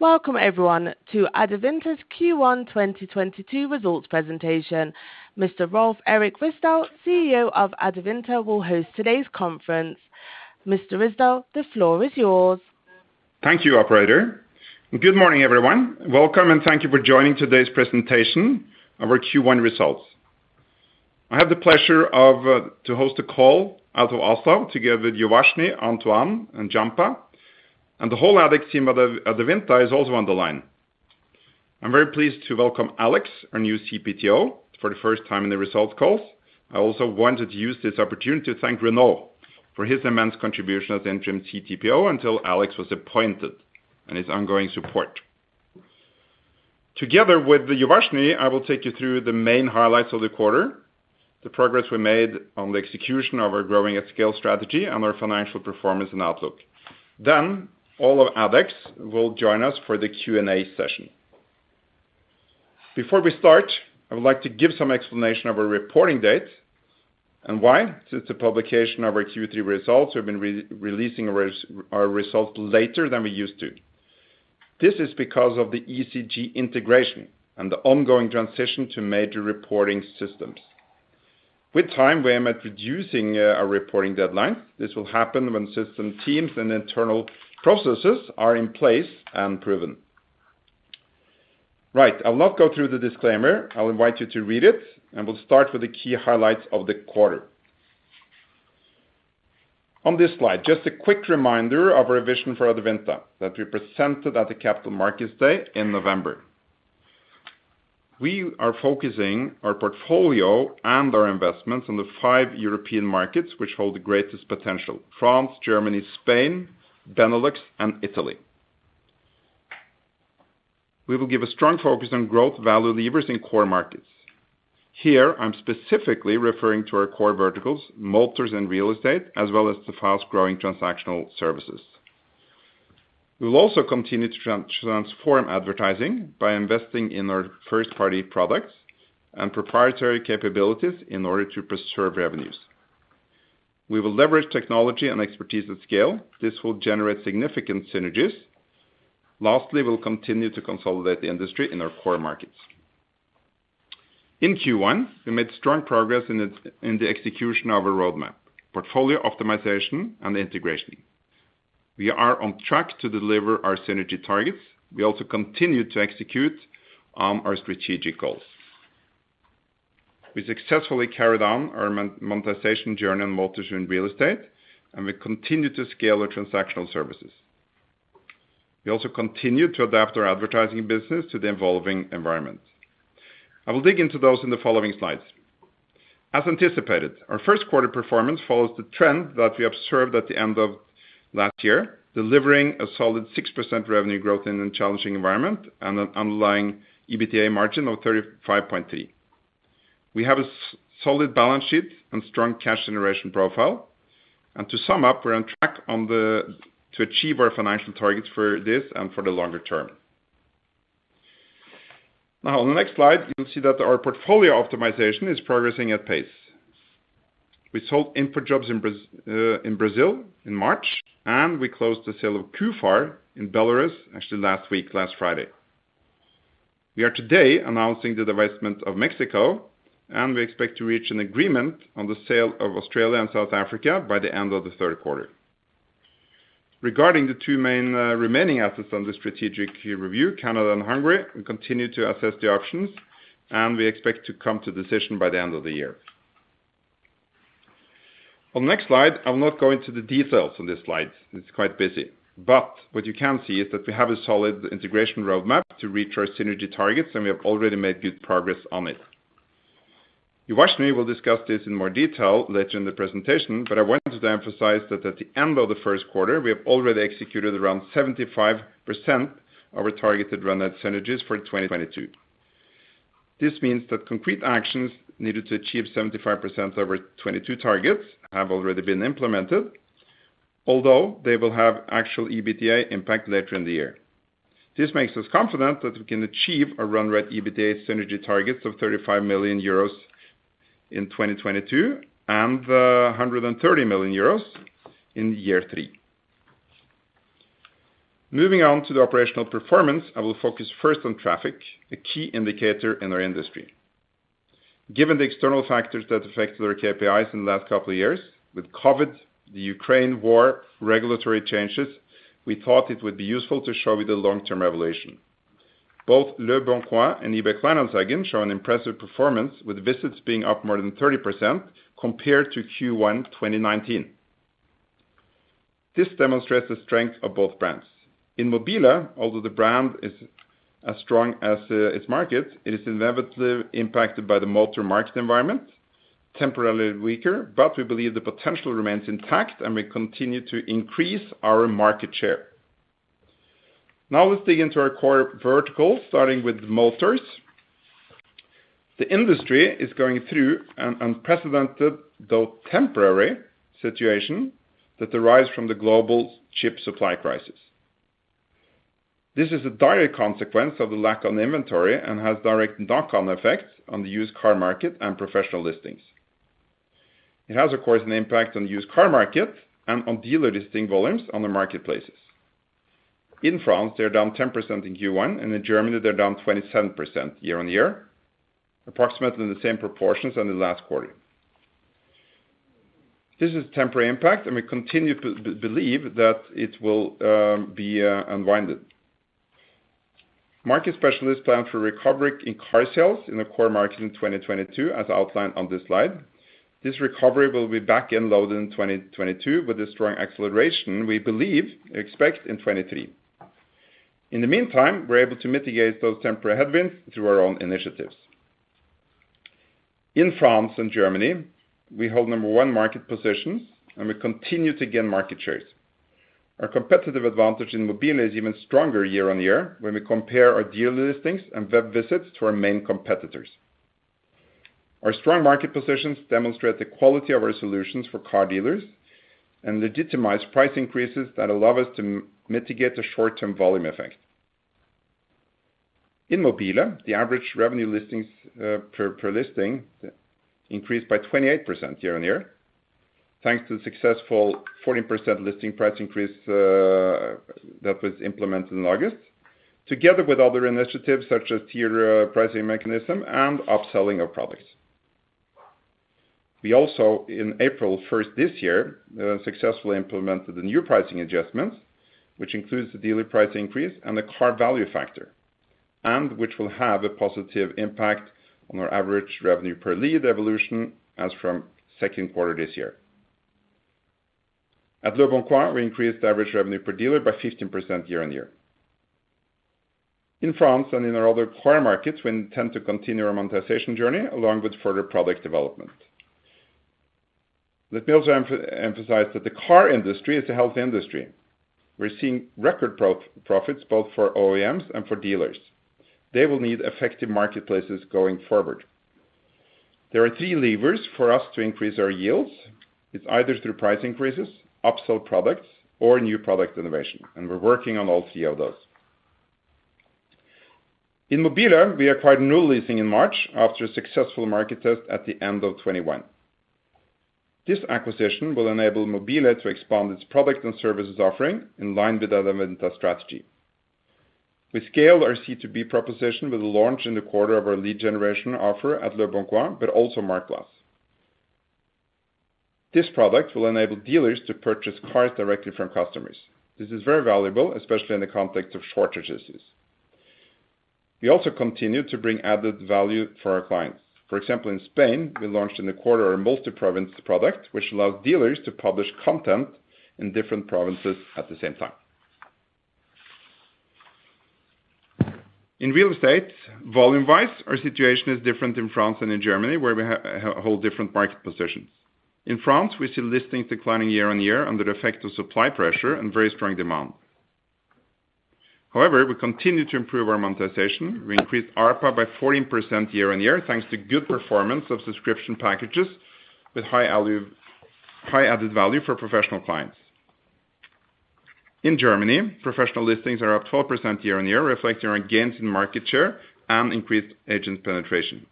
Welcome everyone to Adevinta's Q1 2022 results presentation. Mr. Rolv Erik Ryssdal, CEO of Adevinta, will host today's conference. Mr. Ryssdal, the floor is yours. Thank you, operator. Good morning, everyone. Welcome and thank you for joining today's presentation of our Q1 results. I have the pleasure to host a call out of Oslo, together with Uvashni, Antoine, and Gianpaolo, and the whole AdEx team at Adevinta is also on the line. I'm very pleased to welcome Alex, our new CPTO for the first time in the results calls. I also wanted to use this opportunity to thank Renaud for his immense contribution as the interim CTPO until Alex was appointed, and his ongoing support. Together with Uvashni, I will take you through the main highlights of the quarter, the progress we made on the execution of our growing at scale strategy and our financial performance and outlook. All of AdEx will join us for the Q&A session. Before we start, I would like to give some explanation of our reporting date and why since the publication of our Q3 results, we've been re-releasing our results later than we used to. This is because of the ECG integration and the ongoing transition to major reporting systems. With time, we aim at reducing our reporting deadlines. This will happen when system teams and internal processes are in place and proven. Right, I'll not go through the disclaimer. I'll invite you to read it, and we'll start with the key highlights of the quarter. On this slide, just a quick reminder of our vision for Adevinta that we presented at the Capital Markets Day in November. We are focusing our portfolio and our investments in the five European markets which hold the greatest potential, France, Germany, Spain, Benelux, and Italy. We will give a strong focus on growth value levers in core markets. Here, I'm specifically referring to our core verticals, motors and real estate, as well as the fast-growing transactional services. We will also continue to transform advertising by investing in our first-party products and proprietary capabilities in order to preserve revenues. We will leverage technology and expertise at scale. This will generate significant synergies. Lastly, we'll continue to consolidate the industry in our core markets. In Q1, we made strong progress in the execution of our roadmap, portfolio optimization and integration. We are on track to deliver our synergy targets. We also continue to execute our strategic goals. We successfully carried on our monetization journey in motors and real estate, and we continue to scale our transactional services. We also continue to adapt our advertising business to the evolving environment. I will dig into those in the following slides. As anticipated, our first quarter performance follows the trend that we observed at the end of last year, delivering a solid 6% revenue growth in a challenging environment and an underlying EBITDA margin of 35.3%. We have a solid balance sheet and strong cash generation profile. To sum up, we're on track to achieve our financial targets for this and for the longer term. Now on the next slide, you'll see that our portfolio optimization is progressing at pace. We sold InfoJobs in Brazil in March, and we closed the sale of Kufar in Belarus actually last week, last Friday. We are today announcing the divestment of Mexico, and we expect to reach an agreement on the sale of Australia and South Africa by the end of the third quarter. Regarding the two main remaining assets under strategic review, Canada and Hungary, we continue to assess the options, and we expect to come to a decision by the end of the year. On the next slide, I will not go into the details on this slide. It's quite busy. What you can see is that we have a solid integration roadmap to reach our synergy targets, and we have already made good progress on it. Uvashni will discuss this in more detail later in the presentation, but I wanted to emphasize that at the end of the first quarter, we have already executed around 75% of our targeted run rate synergies for 2022. This means that concrete actions needed to achieve 75% of our 2022 targets have already been implemented, although they will have actual EBITDA impact later in the year. This makes us confident that we can achieve our run rate EBITDA synergy targets of 35 million euros in 2022 and 130 million euros in year three. Moving on to the operational performance, I will focus first on traffic, a key indicator in our industry. Given the external factors that affected our KPIs in the last couple of years, with COVID, the Ukraine war, regulatory changes, we thought it would be useful to show you the long-term evolution. Both leboncoin and eBay Kleinanzeigen show an impressive performance with visits being up more than 30% compared to Q1 2019. This demonstrates the strength of both brands. In Mobile, although the brand is as strong as its market, it is inevitably impacted by the motor market environment, temporarily weaker, but we believe the potential remains intact and we continue to increase our market share. Now let's dig into our core verticals, starting with motors. The industry is going through an unprecedented, though temporary, situation that arise from the global chip supply crisis. This is a direct consequence of the lack of inventory and has direct knock-on effects on the used car market and professional listings. It has, of course, an impact on the used car market and on dealer listing volumes on the marketplaces. In France, they are down 10% in Q1, and in Germany, they're down 27% year-on-year, approximately in the same proportions as the last quarter. This is temporary impact, and we continue to believe that it will be unwind. Market specialists plan for recovery in car sales in the core markets in 2022 as outlined on this slide. This recovery will be back-end loaded in 2022 with a strong acceleration, we believe, expect in 2023. In the meantime, we're able to mitigate those temporary headwinds through our own initiatives. In France and Germany, we hold number one market positions, and we continue to gain market shares. Our competitive advantage in Mobile is even stronger year-on-year when we compare our dealer listings and web visits to our main competitors. Our strong market positions demonstrate the quality of our solutions for car dealers and legitimize price increases that allow us to mitigate the short-term volume effect. In Mobile, the average revenue per listing increased by 28% year-on-year, thanks to the successful 14% listing price increase that was implemented in August, together with other initiatives such as tier pricing mechanism and upselling of products. We also, in April first this year, successfully implemented the new pricing adjustments, which includes the dealer price increase and the car value factor, and which will have a positive impact on our average revenue per lead evolution as from second quarter this year. At leboncoin, we increased average revenue per dealer by 15% year-on-year. In France and in our other core markets, we intend to continue our monetization journey along with further product development. Let me also emphasize that the car industry is a healthy industry. We're seeing record profits both for OEMs and for dealers. They will need effective marketplaces going forward. There are three levers for us to increase our yields. It's either through price increases, upsell products, or new product innovation, and we're working on all three of those. In Mobile, we acquired Null-Leasing in March after a successful market test at the end of 2021. This acquisition will enable Mobile to expand its product and services offering in line with our Adevinta strategy. We scaled our C2B proposition with the launch in the quarter of our lead generation offer at leboncoin, but also Marktplaats. This product will enable dealers to purchase cars directly from customers. This is very valuable, especially in the context of shortages. We also continue to bring added value for our clients. For example, in Spain, we launched in the quarter our multi-province product, which allows dealers to publish content in different provinces at the same time. In real estate, volume-wise, our situation is different in France than in Germany, where we hold different market positions. In France, we see listings declining year-on-year under the effect of supply pressure and very strong demand. However, we continue to improve our monetization. We increased ARPA by 14% year-on-year, thanks to good performance of subscription packages with high added value for professional clients. In Germany, professional listings are up 12% year-on-year, reflecting our gains in market share and increased agent penetration.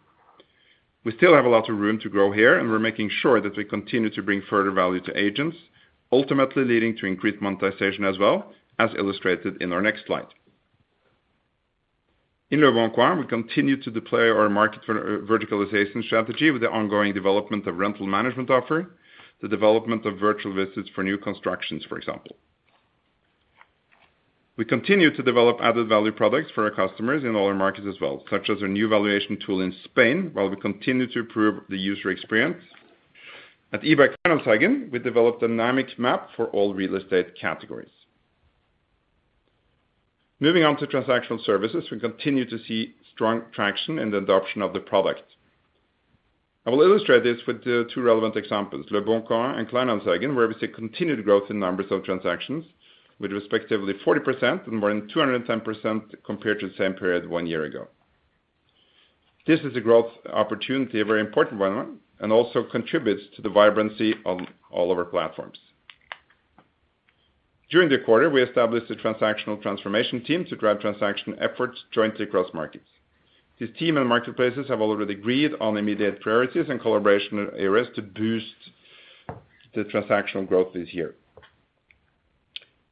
We still have a lot of room to grow here, and we're making sure that we continue to bring further value to agents, ultimately leading to increased monetization as well, as illustrated in our next slide. In leboncoin, we continue to deploy our market verticalization strategy with the ongoing development of rental management offer, the development of virtual visits for new constructions, for example. We continue to develop added value products for our customers in all our markets as well, such as our new valuation tool in Spain, while we continue to improve the user experience. At eBay Kleinanzeigen, we developed a dynamic map for all real estate categories. Moving on to transactional services, we continue to see strong traction in the adoption of the product. I will illustrate this with the two relevant examples, leboncoin and eBay Kleinanzeigen, where we see continued growth in numbers of transactions with respectively 40% and more than 210% compared to the same period one year ago. This is a growth opportunity, a very important one, and also contributes to the vibrancy of all of our platforms. During the quarter, we established a transactional transformation team to drive transaction efforts jointly across markets. This team and marketplaces have already agreed on immediate priorities and collaboration areas to boost the transactional growth this year.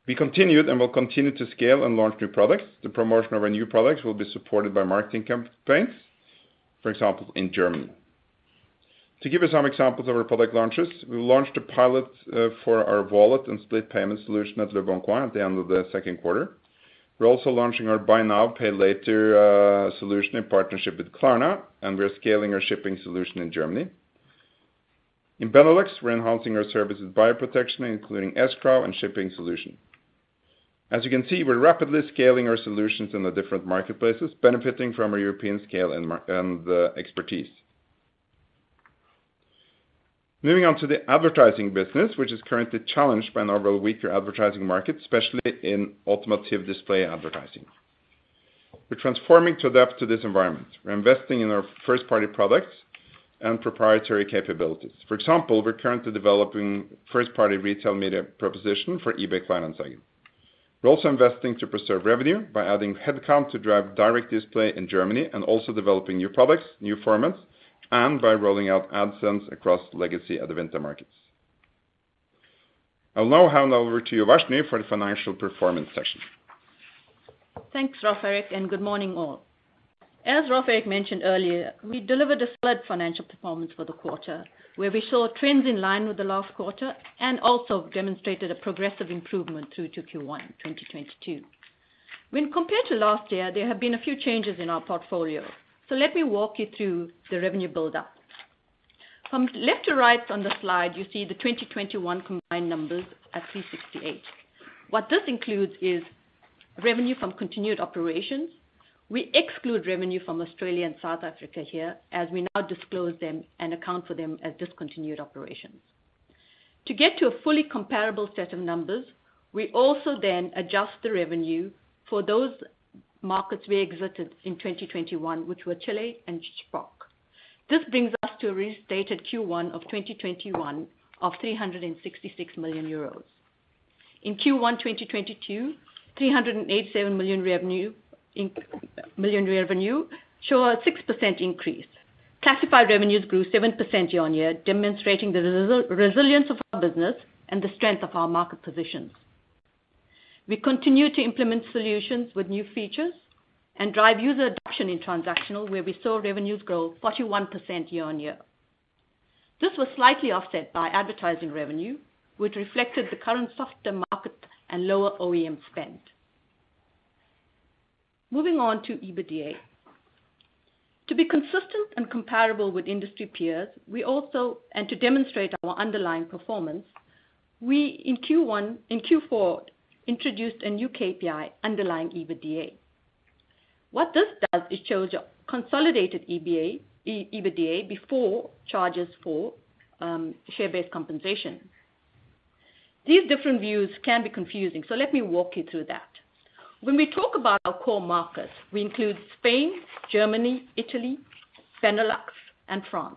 We continued and will continue to scale and launch new products. The promotion of our new products will be supported by marketing campaigns, for example, in Germany. To give you some examples of our product launches, we launched a pilot for our wallet and split payment solution at leboncoin at the end of the second quarter. We're also launching our buy now, pay later solution in partnership with Klarna, and we're scaling our shipping solution in Germany. In Benelux, we're enhancing our buyer protection services, including escrow and shipping solution. As you can see, we're rapidly scaling our solutions in the different marketplaces, benefiting from our European scale and market expertise. Moving on to the advertising business, which is currently challenged by an overall weaker advertising market, especially in automotive display advertising. We're transforming to adapt to this environment. We're investing in our first-party products and proprietary capabilities. For example, we're currently developing first-party retail media proposition for eBay Kleinanzeigen. We're also investing to preserve revenue by adding headcount to drive direct display in Germany and also developing new products, new formats, and by rolling out AdSense across legacy Adevinta markets. I'll now hand over to Uvashni for the financial performance session. Thanks, Rolv Erik, and good morning all. As Rolv Erik mentioned earlier, we delivered a solid financial performance for the quarter, where we saw trends in line with the last quarter and also demonstrated a progressive improvement through to Q1 2022. When compared to last year, there have been a few changes in our portfolio, so let me walk you through the revenue buildup. From left to right on the slide you see the 2021 combined numbers at 368. What this includes is revenue from continuing operations. We exclude revenue from Australia and South Africa here as we now disclose them and account for them as discontinued operations. To get to a fully comparable set of numbers, we also then adjust the revenue for those markets we exited in 2021, which were Chile and Spain. This brings us to a restated Q1 of 2021 of 366 million euros. In Q1 2022, 387 million revenue shows a 6% increase. Classified revenues grew 7% year-on-year, demonstrating the resilience of our business and the strength of our market positions. We continue to implement solutions with new features and drive user adoption in transactional, where we saw revenues grow 41% year-on-year. This was slightly offset by advertising revenue, which reflected the current softer market and lower OEM spend. Moving on to EBITDA. To be consistent and comparable with industry peers, and to demonstrate our underlying performance, we in Q4 introduced a new KPI underlying EBITDA. What this does is shows consolidated EBITDA before charges for share-based compensation. These different views can be confusing, so let me walk you through that. When we talk about our core markets, we include Spain, Germany, Italy, Benelux, and France.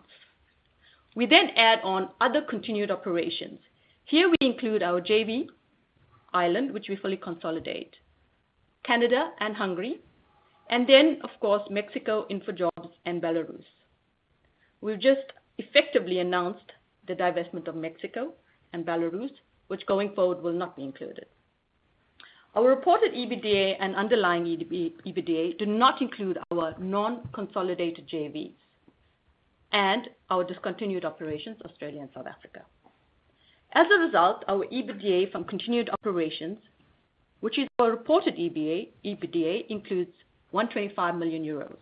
We then add on other continuing operations. Here we include our JV in Ireland, which we fully consolidate, Canada and Hungary, and then, of course, Mexico, InfoJobs, and Belarus. We've just effectively announced the divestment of Mexico and Belarus, which going forward will not be included. Our reported EBITDA and underlying EBITDA do not include our non-consolidated JVs and our discontinued operations, Australia and South Africa. As a result, our EBITDA from continuing operations, which is our reported EBITDA, includes 125 million euros.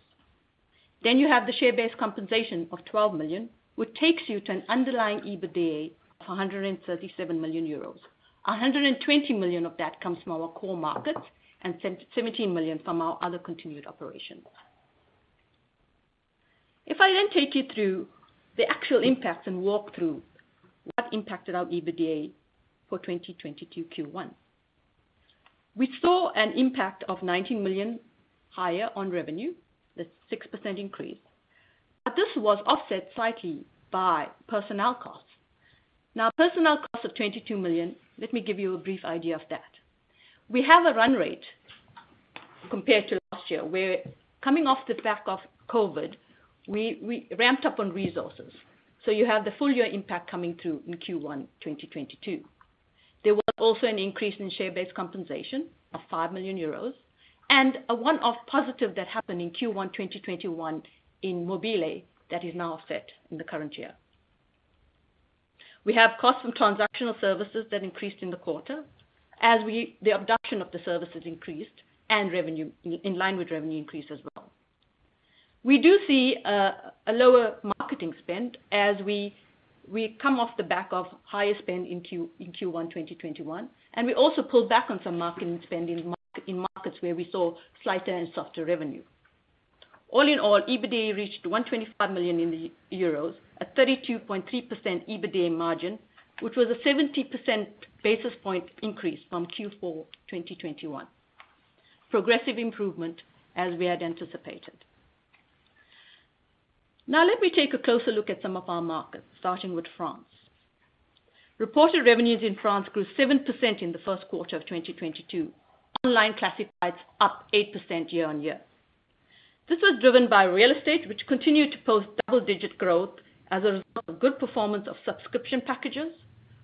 Then you have the share-based compensation of 12 million, which takes you to an underlying EBITDA of 137 million euros. 120 million of that comes from our core markets, and 17 million from our other continued operations. If I then take you through the actual impacts and walk through what impacted our EBITDA for 2022 Q1. We saw an impact of 90 million higher on revenue. That's a 6% increase. This was offset slightly by personnel costs. Now, personnel costs of 22 million, let me give you a brief idea of that. We have a run rate compared to last year, where coming off the back of COVID, we ramped up on resources. You have the full year impact coming through in Q1 2022. There was also an increase in share-based compensation of 5 million euros, and a one-off positive that happened in Q1 2021 in Mobile that is now offset in the current year. We have costs from transactional services that increased in the quarter as the adoption of the services increased and in line with revenue increase as well. We do see a lower marketing spend as we come off the back of higher spend in Q1 2021, and we also pulled back on some marketing spend in mature markets where we saw slightly softer revenue. All in all, EBITDA reached 125 million, a 32.3% EBITDA margin, which was a 70 basis point increase from Q4 2021. Progressive improvement as we had anticipated. Now let me take a closer look at some of our markets starting with France. Reported revenues in France grew 7% in the first quarter of 2022. Online classifieds up 8% year-on-year. This was driven by real estate which continued to post double-digit growth as a result of good performance of subscription packages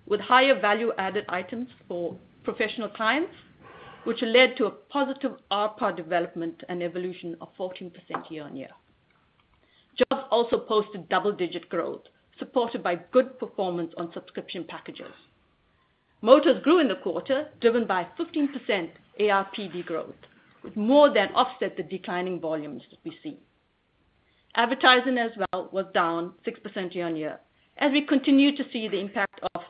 with higher value added items for professional clients which led to a positive RP development and evolution of 14% year-on-year. Jobs also posted double-digit growth supported by good performance on subscription packages. Motors grew in the quarter driven by 15% ARPD growth with more than offset the declining volumes that we see. Advertising as well was down 6% year-on-year as we continue to see the impact of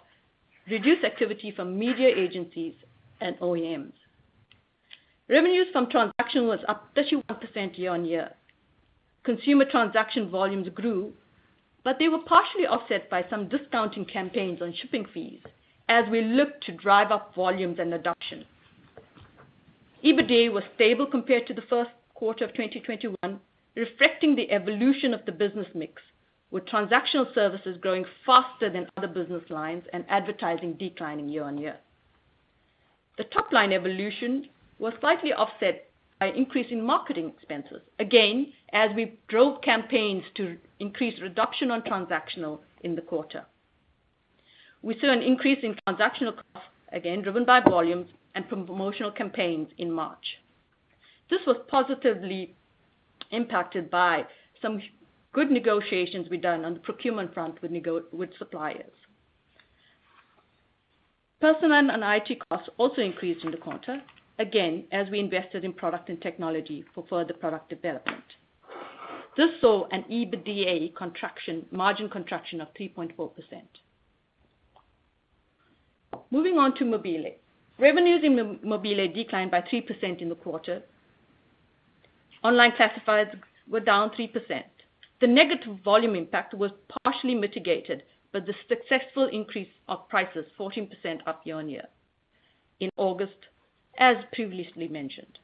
reduced activity from media agencies and OEMs. Revenues from transaction was up 31% year-on-year. Consumer transaction volumes grew but they were partially offset by some discounting campaigns on shipping fees as we look to drive up volumes and adoption. EBITDA was stable compared to the first quarter of 2021, reflecting the evolution of the business mix, with transactional services growing faster than other business lines and advertising declining year-on-year. The top line evolution was slightly offset by increasing marketing expenses, again, as we drove campaigns to increase adoption on transactional in the quarter. We saw an increase in transactional costs, again, driven by volumes and from promotional campaigns in March. This was positively impacted by some good negotiations we've done on the procurement front with suppliers. Personnel and IT costs also increased in the quarter, again, as we invested in product and technology for further product development. This saw an EBITDA contraction, margin contraction of 3.4%. Moving on to Mobile. Revenues in Mobile declined by 3% in the quarter. Online classifieds were down 3%. The negative volume impact was partially mitigated by the successful increase of prices 14% up year-on-year in August, as previously mentioned.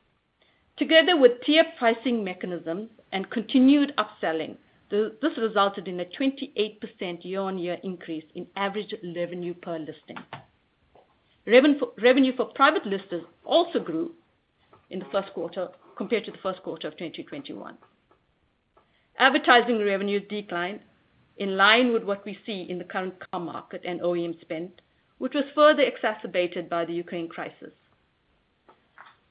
Together with tier pricing mechanisms and continued upselling, this resulted in a 28% year-on-year increase in average revenue per listing. Revenue for private listers also grew in the first quarter compared to the first quarter of 2021. Advertising revenues declined in line with what we see in the current car market and OEM spend, which was further exacerbated by the Ukraine crisis.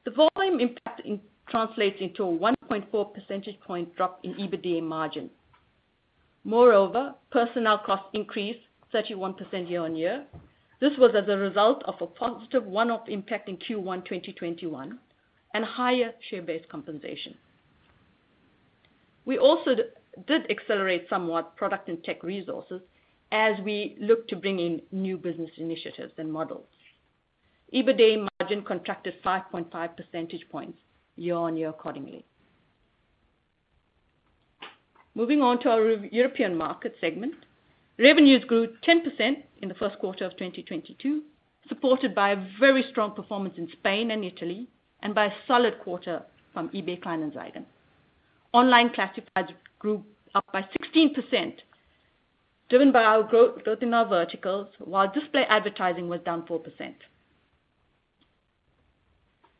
The volume impact then translates into a 1.4 percentage point drop in EBITDA margin. Moreover, personnel costs increased 31% year-on-year. This was as a result of a positive one-off impact in Q1 2021 and higher share-based compensation. We also did accelerate somewhat product and tech resources as we look to bring in new business initiatives and models. EBITDA margin contracted 5.5 percentage points year-on-year accordingly. Moving on to our European market segment. Revenues grew 10% in the first quarter of 2022, supported by a very strong performance in Spain and Italy and by a solid quarter from eBay Kleinanzeigen. Online classifieds grew by 16%, driven by our growth in our verticals, while display advertising was down 4%.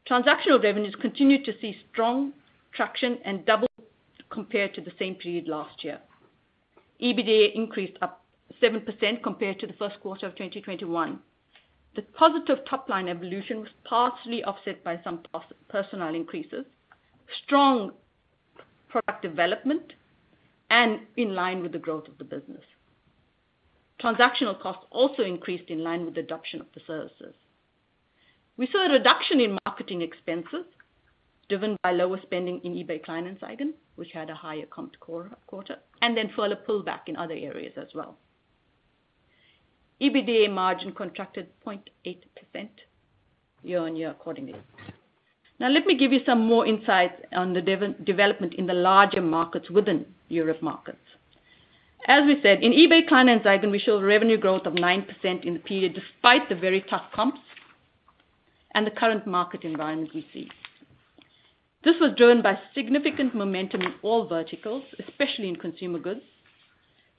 Transactional revenues continued to see strong traction and doubled compared to the same period last year. EBITDA increased by 7% compared to the first quarter of 2021. The positive top line evolution was partially offset by some personnel increases, strong product development, and in line with the growth of the business. Transactional costs also increased in line with the adoption of the services. We saw a reduction in marketing expenses, driven by lower spending in eBay Kleinanzeigen, which had a higher comp quarter, and then further pullback in other areas as well. EBITDA margin contracted 0.8% year-on-year accordingly. Now, let me give you some more insight on the development in the larger markets within European markets. As we said, in eBay Kleinanzeigen, we showed revenue growth of 9% in the period, despite the very tough comps and the current market environment we see. This was driven by significant momentum in all verticals, especially in consumer goods.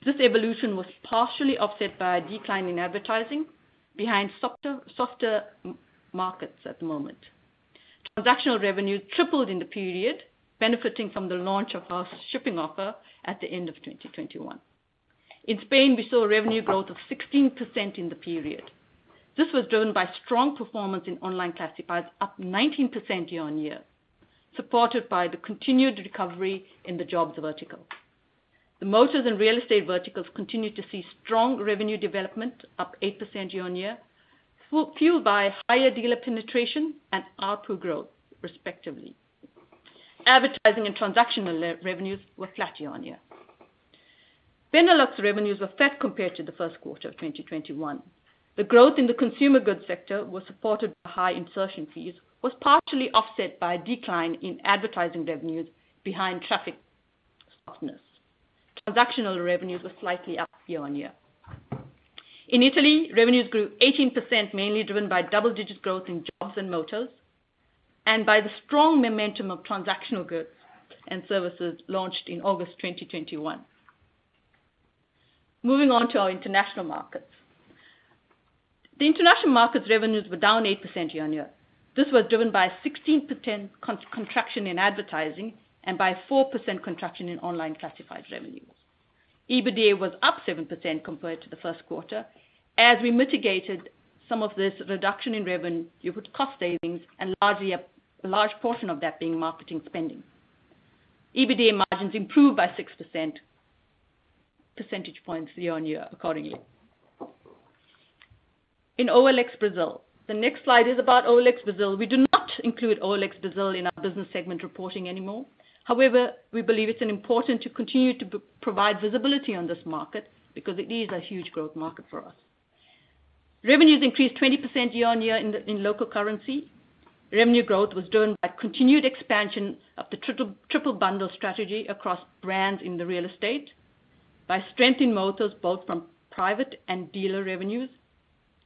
This evolution was partially offset by a decline in advertising behind softer markets at the moment. Transactional revenue tripled in the period, benefiting from the launch of our shipping offer at the end of 2021. In Spain, we saw revenue growth of 16% in the period. This was driven by strong performance in online classifieds, up 19% year-on-year, supported by the continued recovery in the jobs vertical. The motors and real estate verticals continued to see strong revenue development, up 8% year-on-year, fueled by higher dealer penetration and ARPU growth, respectively. Advertising and transactional revenues were flat year-on-year. Benelux revenues were flat compared to the first quarter of 2021. The growth in the consumer goods sector was supported by high insertion fees, was partially offset by a decline in advertising revenues behind traffic softness. Transactional revenues were slightly up year-on-year. In Italy, revenues grew 18%, mainly driven by double-digit growth in jobs and motors and by the strong momentum of transactional goods and services launched in August 2021. Moving on to our international markets. The international markets revenues were down 8% year-on-year. This was driven by a 16% contraction in advertising and by 4% contraction in online classified revenues. EBITDA was up 7% compared to the first quarter as we mitigated some of this reduction in revenue with cost savings and largely a large portion of that being marketing spending. EBITDA margins improved by 6 percentage points year-on-year accordingly. In OLX Brazil. The next slide is about OLX Brazil. We do not include OLX Brazil in our business segment reporting anymore. However, we believe it's important to continue to provide visibility on this market because it is a huge growth market for us. Revenues increased 20% year-on-year in local currency. Revenue growth was driven by continued expansion of the triple bundle strategy across brands in the real estate, by strength in motors, both from private and dealer revenues,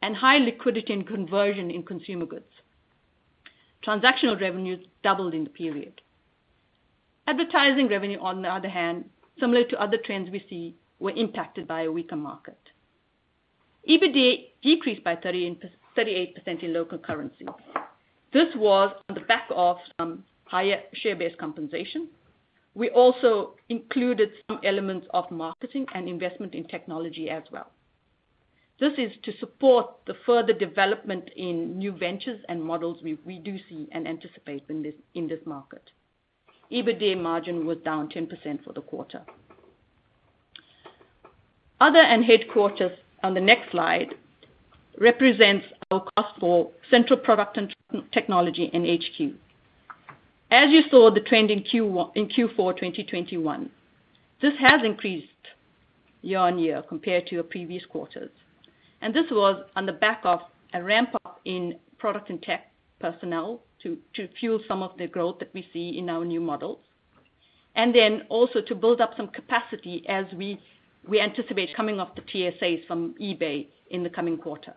and high liquidity and conversion in consumer goods. Transactional revenues doubled in the period. Advertising revenue, on the other hand, similar to other trends we see, were impacted by a weaker market. EBITDA decreased by 30 and 38% in local currency. This was on the back of some higher share-based compensation. We also included some elements of marketing and investment in technology as well. This is to support the further development in new ventures and models we do see and anticipate in this market. EBITDA margin was down 10% for the quarter. Other and headquarters on the next slide represents our cost for central product and technology and HQ. As you saw the trend in Q4, 2021, this has increased year-on-year compared to our previous quarters. This was on the back of a ramp up in product and tech personnel to fuel some of the growth that we see in our new models. Then also to build up some capacity as we anticipate coming off the TSAs from eBay in the coming quarter.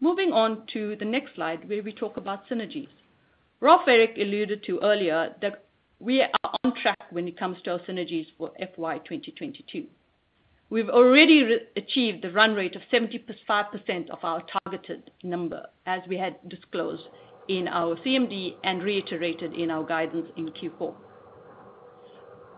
Moving on to the next slide where we talk about synergies. Rolf Erik alluded to earlier that we are on track when it comes to our synergies for FY 2022. We've already re-achieved the run rate of 75% of our targeted number as we had disclosed in our CMD and reiterated in our guidance in Q4.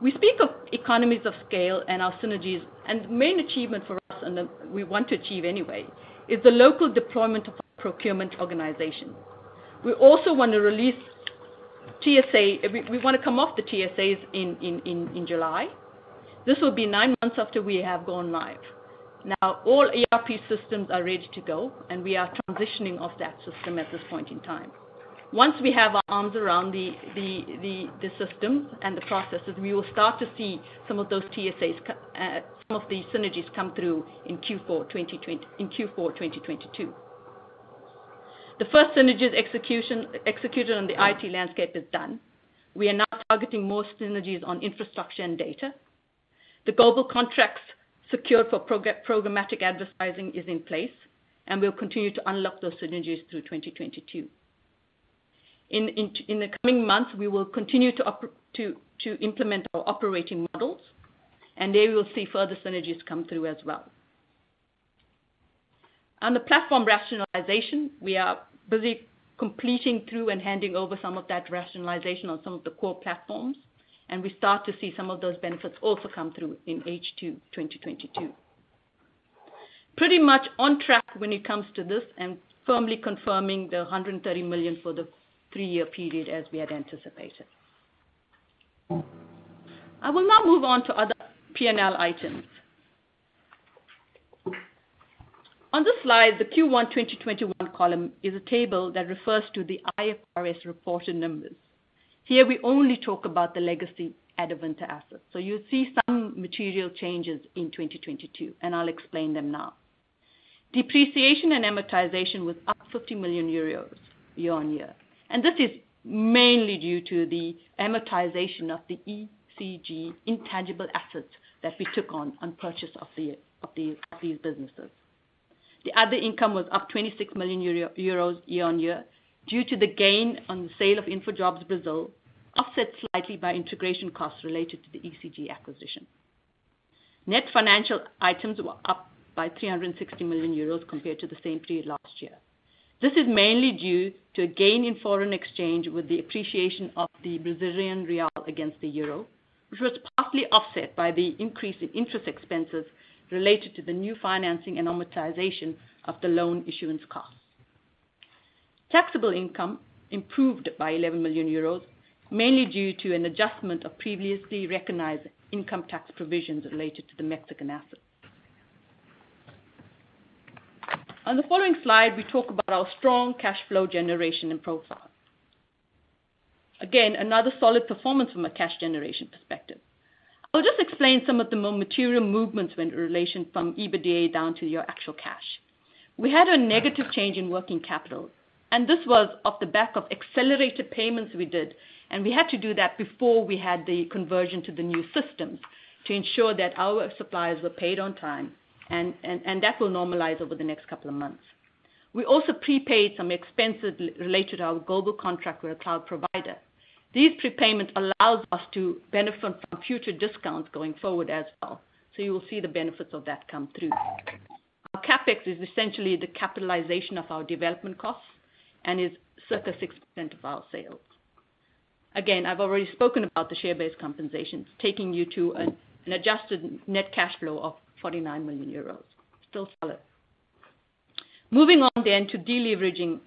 We speak of economies of scale and our synergies, and the main achievement for us and that we want to achieve anyway, is the local deployment of our procurement organization. We also wanna release TSA. We wanna come off the TSAs in July. This will be nine months after we have gone live. Now, all ERP systems are ready to go, and we are transitioning off that system at this point in time. Once we have our arms around the system and the processes, we will start to see some of the synergies come through in Q4 2022. The first synergies execution executed on the IT landscape is done. We are now targeting more synergies on infrastructure and data. The global contracts secured for programmatic advertising is in place, and we'll continue to unlock those synergies through 2022. In the coming months, we will continue to implement our operating models, and there we will see further synergies come through as well. On the platform rationalization, we are busy completing through and handing over some of that rationalization on some of the core platforms, and we start to see some of those benefits also come through in H2 2022. Pretty much on track when it comes to this and firmly confirming the 130 million for the three-year period as we had anticipated. I will now move on to other P&L items. On this slide, the Q1 2021 column is a table that refers to the IFRS reported numbers. Here we only talk about the legacy Adevinta assets. You'll see some material changes in 2022, and I'll explain them now. Depreciation and amortization was up 50 million euros year-on-year, and this is mainly due to the amortization of the ECG intangible assets that we took on purchase of these businesses. The other income was up 26 million euro year-on-year, due to the gain on the sale of InfoJobs Brazil, offset slightly by integration costs related to the ECG acquisition. Net financial items were up by 360 million euros compared to the same period last year. This is mainly due to a gain in foreign exchange with the appreciation of the Brazilian real against the euro, which was partly offset by the increase in interest expenses related to the new financing and amortization of the loan issuance costs. Taxable income improved by 11 million euros, mainly due to an adjustment of previously recognized income tax provisions related to the Mexican assets. On the following slide, we talk about our strong cash flow generation and profile. Again, another solid performance from a cash generation perspective. I'll just explain some of the more material movements in relation to from EBITDA down to your actual cash. We had a negative change in working capital, and this was off the back of accelerated payments we did, and we had to do that before we had the conversion to the new systems to ensure that our suppliers were paid on time, and that will normalize over the next couple of months. We also prepaid some expenses related to our global contract with a cloud provider. These prepayments allow us to benefit from future discounts going forward as well. You will see the benefits of that come through. Our CapEx is essentially the capitalization of our development costs and is circa 6% of our sales. Again, I've already spoken about the share-based compensations, taking you to an adjusted net cash flow of 49 million euros. Still solid. Moving on to deleveraging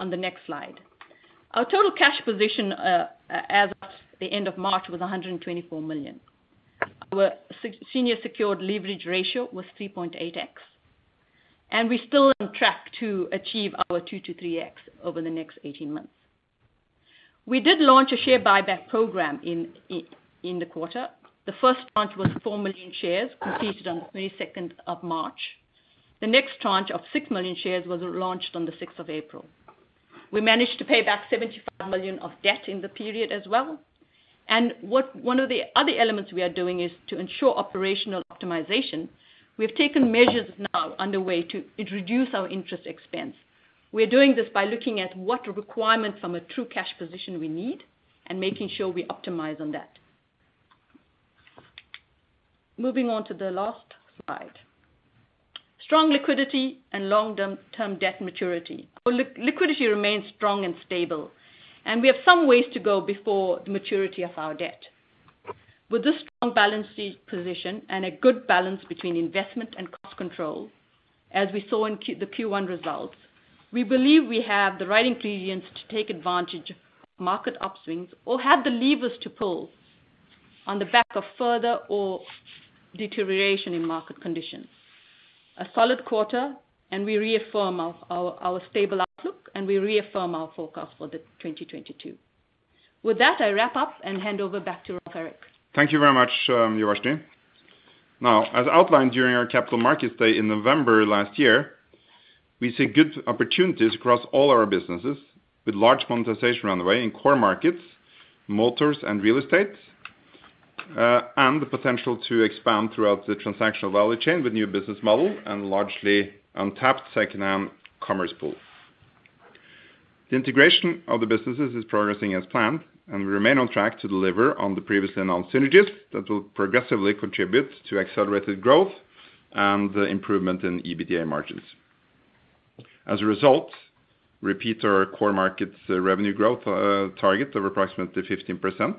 on the next slide. Our total cash position as of the end of March was 124 million, with senior secured leverage ratio was 3.8x, and we're still on track to achieve our 2-3x over the next 18 months. We did launch a share buyback program in the quarter. The first tranche was 4 million shares, completed on the 22nd of March. The next tranche of 6 million shares was launched on the 6th of April. We managed to pay back 75 million of debt in the period as well. What one of the other elements we are doing is to ensure operational optimization. We've taken measures now underway to reduce our interest expense. We're doing this by looking at what requirements from a true cash position we need and making sure we optimize on that. Moving on to the last slide. Strong liquidity and long-term debt maturity. Liquidity remains strong and stable, and we have some ways to go before the maturity of our debt. With this strong balance sheet position and a good balance between investment and cost control, as we saw in the Q1 results, we believe we have the right ingredients to take advantage of market upswings or have the levers to pull on the back of further deterioration in market conditions. A solid quarter, and we reaffirm our stable outlook, and we reaffirm our forecast for 2022. With that, I wrap up and hand over back to Erik. Thank you very much, Uvashni. Now, as outlined during our Capital Markets Day in November last year, we see good opportunities across all our businesses with large monetization on the way in core markets, motors and real estate, and the potential to expand throughout the transactional value chain with new business model and largely untapped second-hand commerce pool. The integration of the businesses is progressing as planned, and we remain on track to deliver on the previously announced synergies that will progressively contribute to accelerated growth and improvement in EBITDA margins. As a result, we repeat our core markets revenue growth target of approximately 15%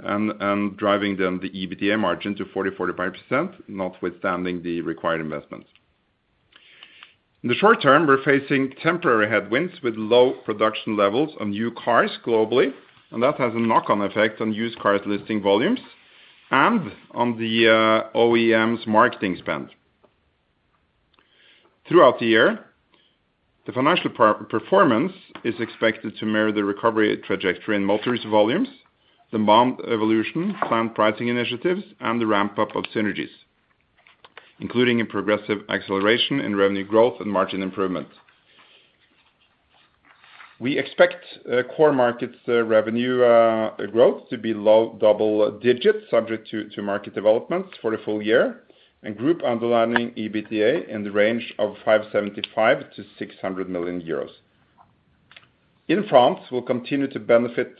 and driving up the EBITDA margin to 40-45%, notwithstanding the required investments. In the short term, we're facing temporary headwinds with low production levels on new cars globally, and that has a knock-on effect on used cars listing volumes and on the OEM's marketing spend. Throughout the year, the financial performance is expected to mirror the recovery trajectory in motors volumes, the MoM evolution, planned pricing initiatives and the ramp-up of synergies, including a progressive acceleration in revenue growth and margin improvement. We expect core markets revenue growth to be low double digits%, subject to market developments for the full year and group underlying EBITDA in the range of 575 million-600 million euros. In France, we'll continue to benefit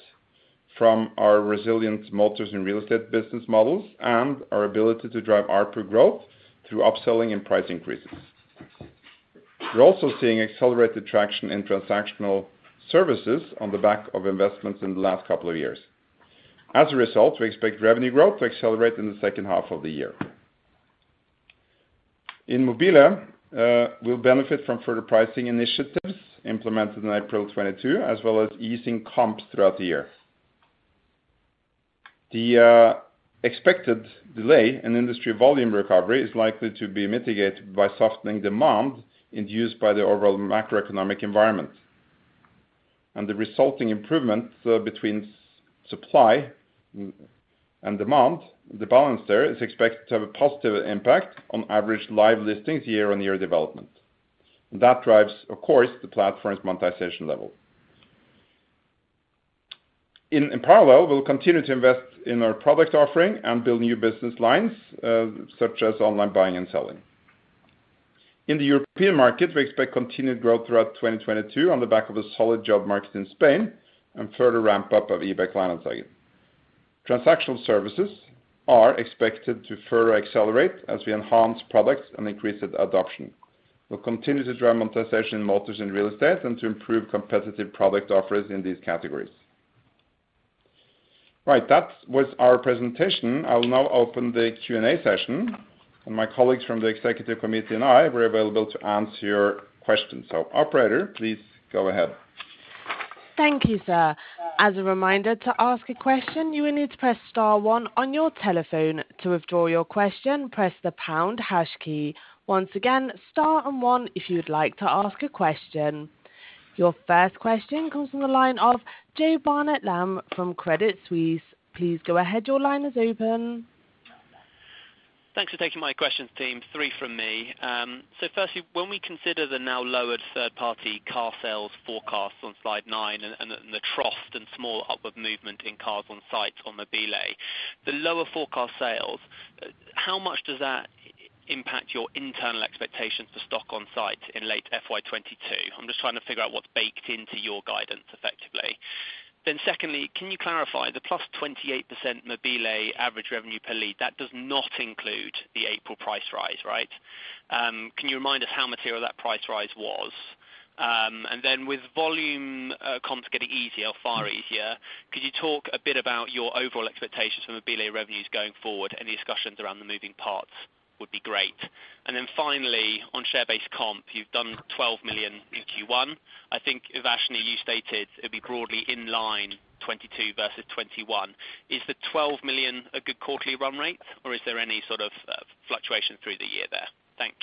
from our resilient motors and real estate business models and our ability to drive ARPU growth through upselling and price increases. We're also seeing accelerated traction in transactional services on the back of investments in the last couple of years. As a result, we expect revenue growth to accelerate in the second half of the year. In Mobile, we'll benefit from further pricing initiatives implemented in April 2022, as well as easing comps throughout the year. The expected delay in industry volume recovery is likely to be mitigated by softening demand induced by the overall macroeconomic environment. The resulting improvements between supply and demand, the balance there is expected to have a positive impact on average live listings year-on-year development. That drives, of course, the platform's monetization level. In parallel, we'll continue to invest in our product offering and build new business lines, such as online buying and selling. In the European market, we expect continued growth throughout 2022 on the back of a solid job market in Spain and further ramp up of eBay Classifieds. Transactional services are expected to further accelerate as we enhance products and increase its adoption. We'll continue to drive monetization in motors and real estate and to improve competitive product offers in these categories. Right. That was our presentation. I'll now open the Q&A session, and my colleagues from the executive committee and I, we're available to answer your questions. Operator, please go ahead. Thank you, sir. As a reminder, to ask a question, you will need to press star one on your telephone. To withdraw your question, press the pound hash key. Once again, star and one if you'd like to ask a question. Your first question comes from the line of Joseph Barnet-Lamb from Credit Suisse. Please go ahead. Your line is open. Thanks for taking my questions, team. 3 from me. Firstly, when we consider the now lowered third-party car sales forecast on slide 9 and the trough and small upward movement in cars on site on Mobile, the lower forecast sales, how much does that impact your internal expectations for stock on site in late FY 2022? I'm just trying to figure out what's baked into your guidance effectively. Secondly, can you clarify the +28% Mobile average revenue per lead, that does not include the April price rise, right? Can you remind us how material that price rise was? With volume comps getting easier or far easier, could you talk a bit about your overall expectations for Mobile revenues going forward? Any discussions around the moving parts would be great. Then finally, on share-based comp, you've done 12 million in Q1. I think, Uvashni, you stated it'd be broadly in line 2022 versus 2021. Is the 12 million a good quarterly run rate, or is there any sort of fluctuation through the year there? Thanks.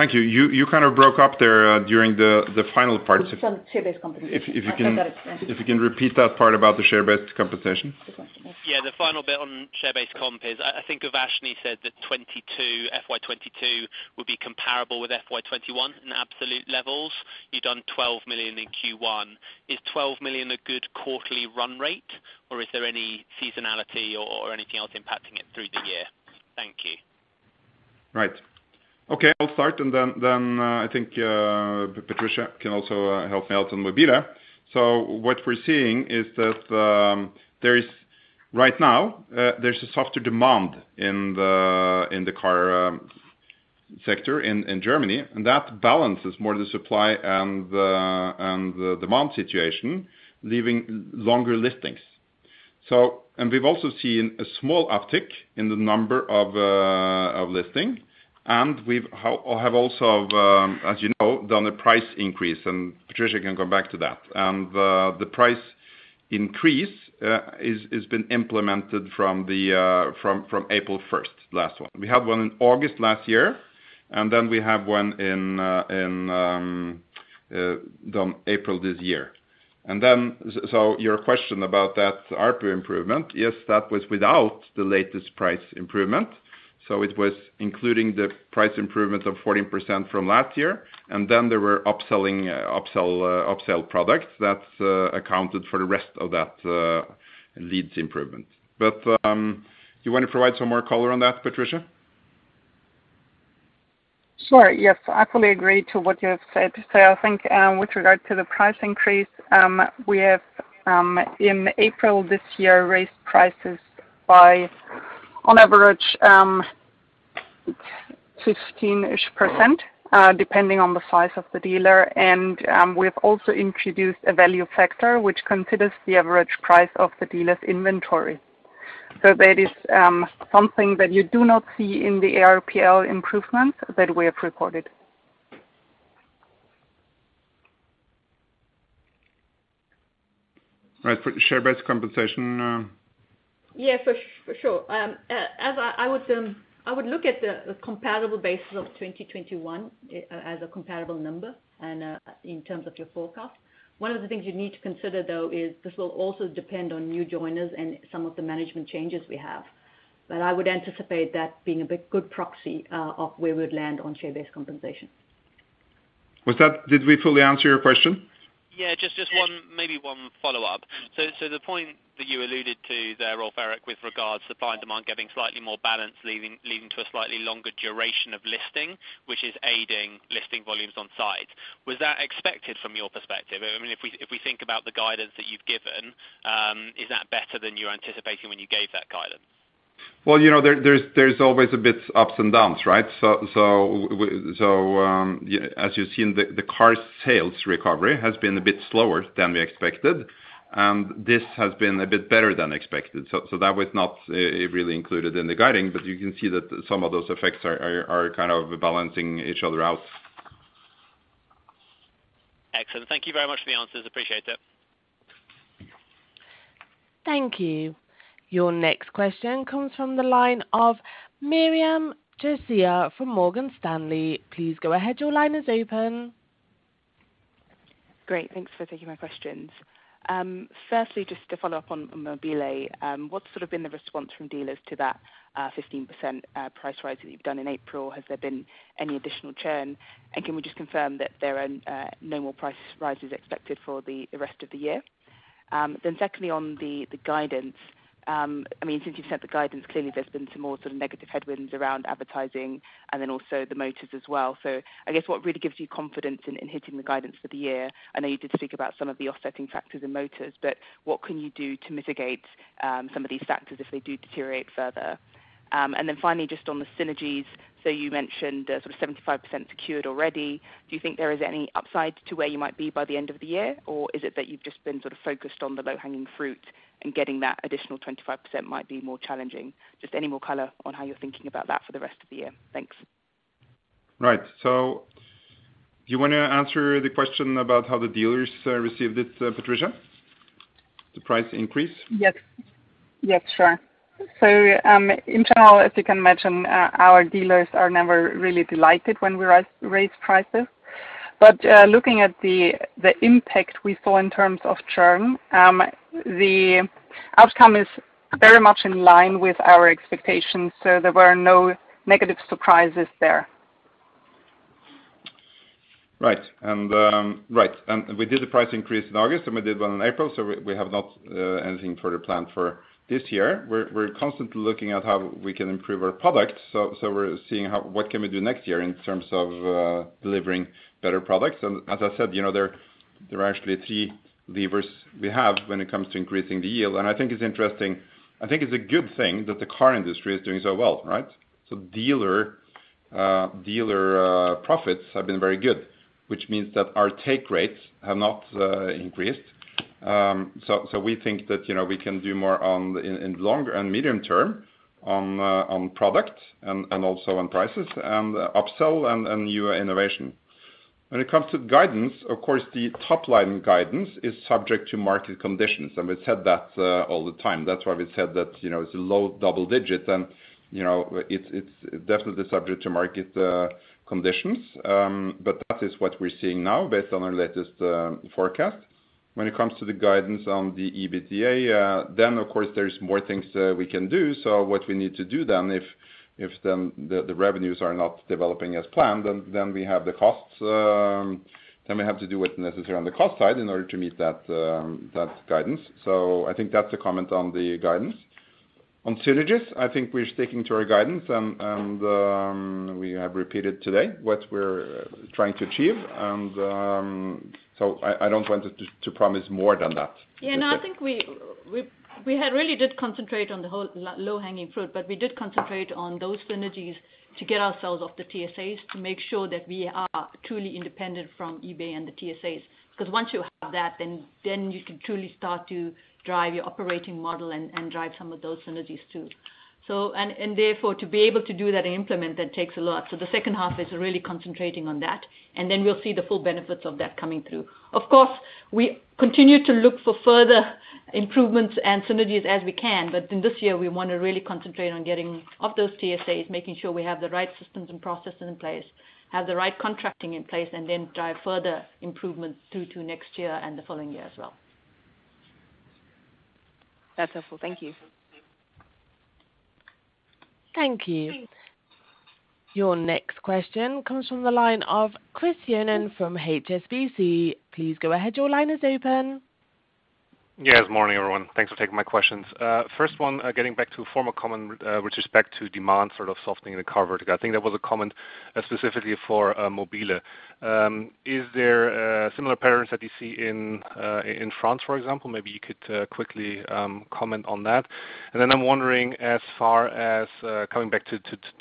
Thank you. You kind of broke up there during the final part. Some share-based compensation. If you can- I'll try that again. If you can repeat that part about the share-based compensation. The compensation. Yeah. The final bit on share-based comp is I think Uvashni said that FY 2022 will be comparable with FY 2021 in absolute levels. You've done 12 million in Q1. Is 12 million a good quarterly run rate, or is there any seasonality or anything else impacting it through the year? Thank you. Right. Okay, I'll start and then I think Patricia can also help me out on Mobile. What we're seeing is that right now there's a softer demand in the car sector in Germany, and that balances more the supply and the demand situation, leaving longer listings. We've also seen a small uptick in the number of listings, and we have also, as you know, done a price increase, and Patricia can come back to that. The price increase has been implemented from April first, last one. We had one in August last year, and then we have one in April this year. Your question about that ARPU improvement, yes, that was without the latest price improvement. It was including the price improvement of 14% from last year, and then there were upsell products that accounted for the rest of that leads improvement. You wanna provide some more color on that, Patricia? Sure, yes. I fully agree to what you have said. I think, with regard to the price increase, we have, in April this year, raised prices by, on average, 15-ish%, depending on the size of the dealer. We've also introduced a value factor which considers the average price of the dealer's inventory. That is something that you do not see in the ARPL improvement that we have recorded. Right. For share-based compensation, Yeah, for sure. I would look at the comparable basis of 2021 as a comparable number and in terms of your forecast. One of the things you'd need to consider though is this will also depend on new joiners and some of the management changes we have. I would anticipate that being a big, good proxy of where we'd land on share-based compensation. Did we fully answer your question? Yeah. Just one, maybe one follow-up. The point that you alluded to there, Rolv Erik, with regards supply and demand getting slightly more balanced, leading to a slightly longer duration of listing, which is aiding listing volumes on site, was that expected from your perspective? I mean, if we think about the guidance that you've given, is that better than you anticipating when you gave that guidance? You know, there's always a bit ups and downs, right? As you've seen, the car sales recovery has been a bit slower than we expected, and this has been a bit better than expected. That was not really included in the guidance, but you can see that some of those effects are kind of balancing each other out. Excellent. Thank you very much for the answers. Appreciate it. Thank you. Your next question comes from the line of Miriam Josiah from Morgan Stanley. Please go ahead. Your line is open. Great. Thanks for taking my questions. Firstly, just to follow up on Mobile, what's sort of been the response from dealers to that 15% price rise that you've done in April? Has there been any additional churn? Can we just confirm that there are no more price rises expected for the rest of the year? Secondly, on the guidance, I mean, since you've set the guidance, clearly there's been some more sort of negative headwinds around advertising and then also the motors as well. I guess what really gives you confidence in hitting the guidance for the year? I know you did speak about some of the offsetting factors in motors, but what can you do to mitigate some of these factors if they do deteriorate further? Finally, just on the synergies, so you mentioned sort of 75% secured already. Do you think there is any upside to where you might be by the end of the year, or is it that you've just been sort of focused on the low-hanging fruit and getting that additional 25% might be more challenging? Just any more color on how you're thinking about that for the rest of the year. Thanks. Right. You wanna answer the question about how the dealers received it, Patricia? The price increase. Yes. Yes, sure. In general, as you can imagine, our dealers are never really delighted when we raise prices. Looking at the impact we saw in terms of churn, the outcome is very much in line with our expectations, so there were no negative surprises there. Right. We did a price increase in August, and we did one in April, so we have not anything further planned for this year. We're constantly looking at how we can improve our product. We're seeing what we can do next year in terms of delivering better products. As I said, you know, there are actually three levers we have when it comes to increasing the yield, and I think it's interesting. I think it's a good thing that the car industry is doing so well, right? Dealer profits have been very good, which means that our take rates have not increased. We think that, you know, we can do more in longer- and medium-term on product and also on prices and upsell and new innovation. When it comes to guidance, of course, the top-line guidance is subject to market conditions, and we've said that all the time. That's why we said that, you know, it's low double-digit % and, you know, it's definitely subject to market conditions. But that is what we're seeing now based on our latest forecast. When it comes to the guidance on the EBITDA, then of course there's more things that we can do. What we need to do then if then the revenues are not developing as planned, then we have the costs, then we have to do what's necessary on the cost side in order to meet that guidance. I think that's a comment on the guidance. On synergies, I think we're sticking to our guidance and we have repeated today what we're trying to achieve, and so I don't want to promise more than that. Yeah. No, I think we really did concentrate on the whole low-hanging fruit, but we did concentrate on those synergies to get ourselves off the TSAs to make sure that we are truly independent from eBay and the TSAs. 'Cause once you have that, then you can truly start to drive your operating model and drive some of those synergies too. Therefore, to be able to do that and implement that takes a lot. The second half is really concentrating on that, and then we'll see the full benefits of that coming through. Of course, we continue to look for further improvements and synergies as we can, but in this year we wanna really concentrate on getting off those TSAs, making sure we have the right systems and processes in place, have the right contracting in place, and then drive further improvements through to next year and the following year as well. That's helpful. Thank you. Thank you. Your next question comes from the line of Christopher Yonan from HSBC. Please go ahead. Your line is open. Yes. Morning, everyone. Thanks for taking my questions. First one, getting back to a former comment, with respect to demand sort of softening in the car vertical. I think there was a comment, specifically for Mobile. Is there similar patterns that you see in France, for example? Maybe you could quickly comment on that. Then I'm wondering, as far as coming back to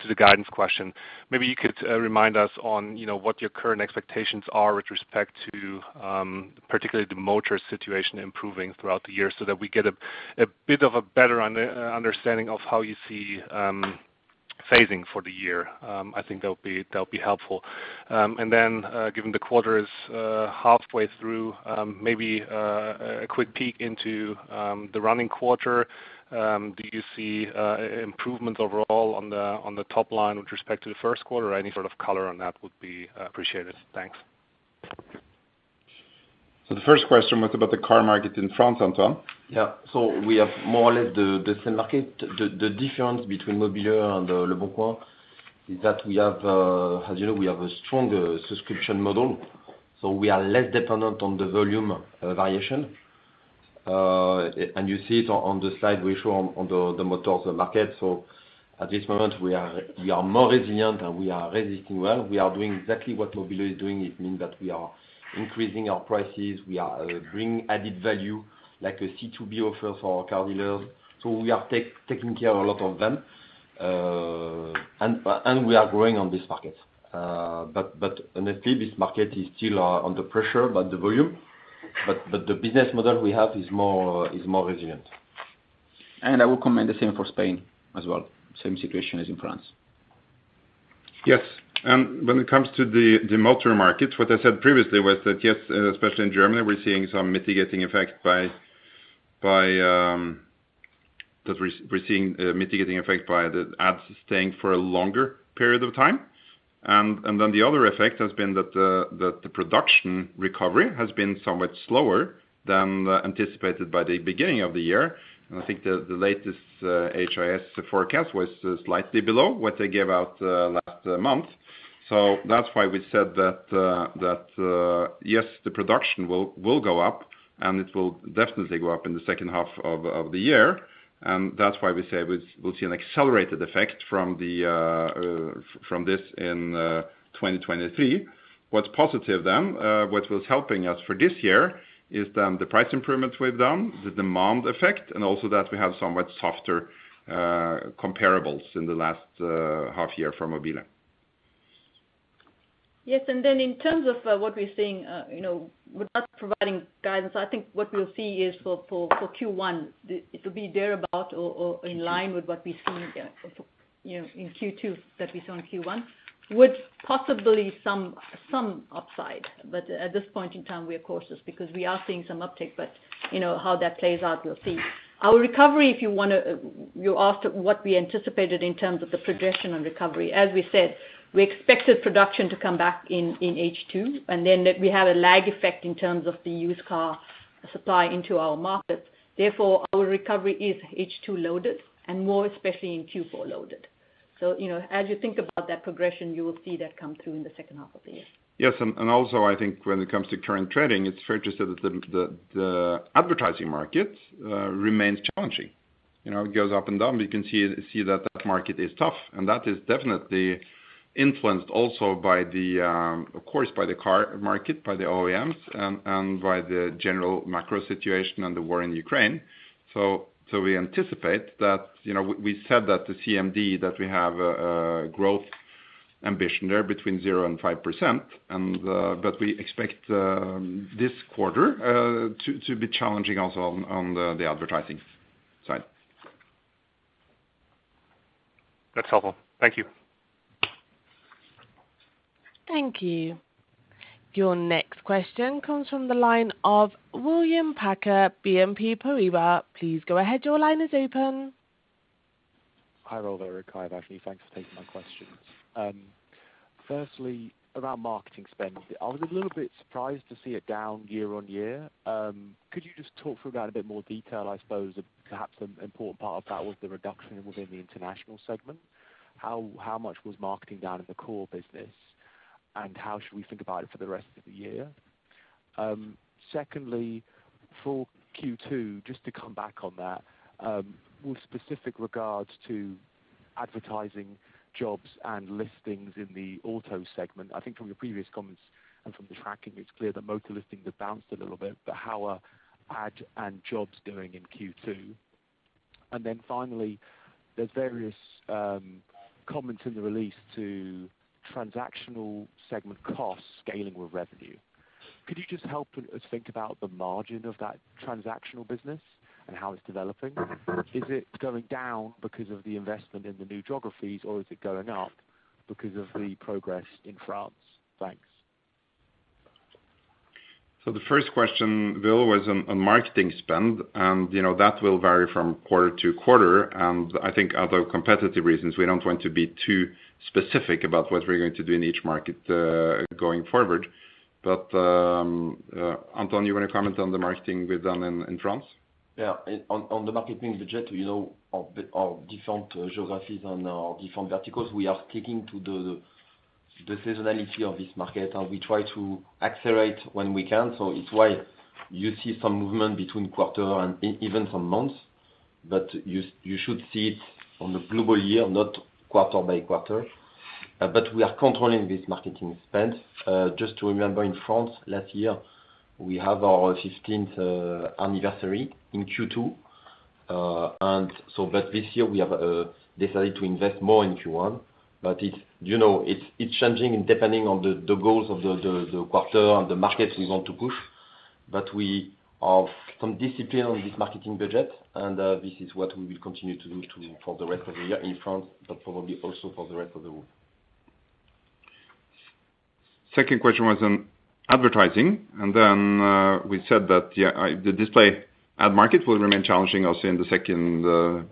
the guidance question, maybe you could remind us on, you know, what your current expectations are with respect to, particularly the motor situation improving throughout the year so that we get a bit of a better understanding of how you see phasing for the year. I think that'll be helpful. Given the quarter is halfway through, maybe a quick peek into the running quarter. Do you see improvement overall on the top line with respect to the first quarter? Any sort of color on that would be appreciated. Thanks. The first question was about the car market in France, Antoine? Yeah. We have more or less the same market. The difference between Mobile and leboncoin is that we have, as you know, we have a strong subscription model, so we are less dependent on the volume variation. You see it on the slide we show on the motors market. At this moment, we are more resilient and we are resisting well. We are doing exactly what Mobile is doing. It mean that we are increasing our prices, we are bringing added value, like a C2B offer for our car dealers, so we are taking care a lot of them. We are growing on this market. Honestly this market is still under pressure about the volume. The business model we have is more resilient. I will comment the same for Spain as well, same situation as in France. Yes. When it comes to the motor market, what I said previously was that yes, especially in Germany, we're seeing some mitigating effect by the ads staying for a longer period of time. Then the other effect has been that the production recovery has been somewhat slower than anticipated by the beginning of the year. I think the latest IHS forecast was slightly below what they gave out last month. That's why we said that yes, the production will go up, and it will definitely go up in the second half of the year. That's why we say we'll see an accelerated effect from this in 2023. What’s positive, what was helping us for this year is the price improvements we’ve done, the demand effect, and also that we have somewhat softer comparables in the last half year for Mobile. Yes. In terms of what we're seeing, you know, we're not providing guidance. I think what we'll see is for Q1, it'll be thereabout or in line with what we've seen in Q2 that we saw in Q1, with possibly some upside. At this point in time we are cautious because we are seeing some uptick. You know, how that plays out, we'll see. Our recovery, if you wanna. You asked what we anticipated in terms of the progression and recovery. As we said, we expected production to come back in H2, and then that we had a lag effect in terms of the used car supply into our markets. Therefore, our recovery is H2 loaded and more especially in Q4 loaded. You know, as you think about that progression, you will see that come through in the second half of the year. Yes. I think when it comes to current trading, it's fair to say that the advertising market remains challenging. You know, it goes up and down. We can see that market is tough, and that is definitely influenced also by, of course, by the car market, by the OEMs and by the general macro situation and the war in Ukraine. We anticipate that, you know, we said that the CMD, that we have a growth ambition there between 0% and 5%. But we expect this quarter to be challenging also on the advertising side. That's helpful. Thank you. Thank you. Your next question comes from the line of William Packer, BNP Paribas. Please go ahead. Your line is open. Hi, Rolv Erik Ryssdal, Uvashni Raman. Thanks for taking my questions. Firstly, about marketing spend, I was a little bit surprised to see it down year-on-year. Could you just talk through about a bit more detail, I suppose, perhaps the important part of that was the reduction within the international segment. How much was marketing down in the core business, and how should we think about it for the rest of the year? Secondly, for Q2, just to come back on that, more specific regards to advertising jobs and listings in the auto segment. I think from your previous comments and from the tracking, it's clear that motor listings have bounced a little bit. How are ad and jobs doing in Q2? Finally, there's various comments in the release to transactional segment costs scaling with revenue. Could you just help us think about the margin of that transactional business and how it's developing? Is it going down because of the investment in the new geographies, or is it going up because of the progress in France? Thanks. The first question, William, was on marketing spend, and, you know, that will vary from quarter to quarter. I think for other competitive reasons, we don't want to be too specific about what we're going to do in each market going forward. Antoine, you want to comment on the marketing we've done in France? Yeah. On the marketing budget, you know, our different geographies and our different verticals, we are sticking to the seasonality of this market, and we try to accelerate when we can. It's why you see some movement between quarter and even some months. You should see it on a global year, not quarter by quarter. We are controlling this marketing spend. Just to remember in France last year, we have our fifteenth anniversary in Q2. This year we have decided to invest more in Q1. It's, you know, it's changing and depending on the goals of the quarter and the markets we want to push. We have some discipline on this marketing budget, and this is what we will continue to do for the rest of the year in France, but probably also for the rest of the world. Second question was on advertising, and then we said that the display ad market will remain challenging also in the second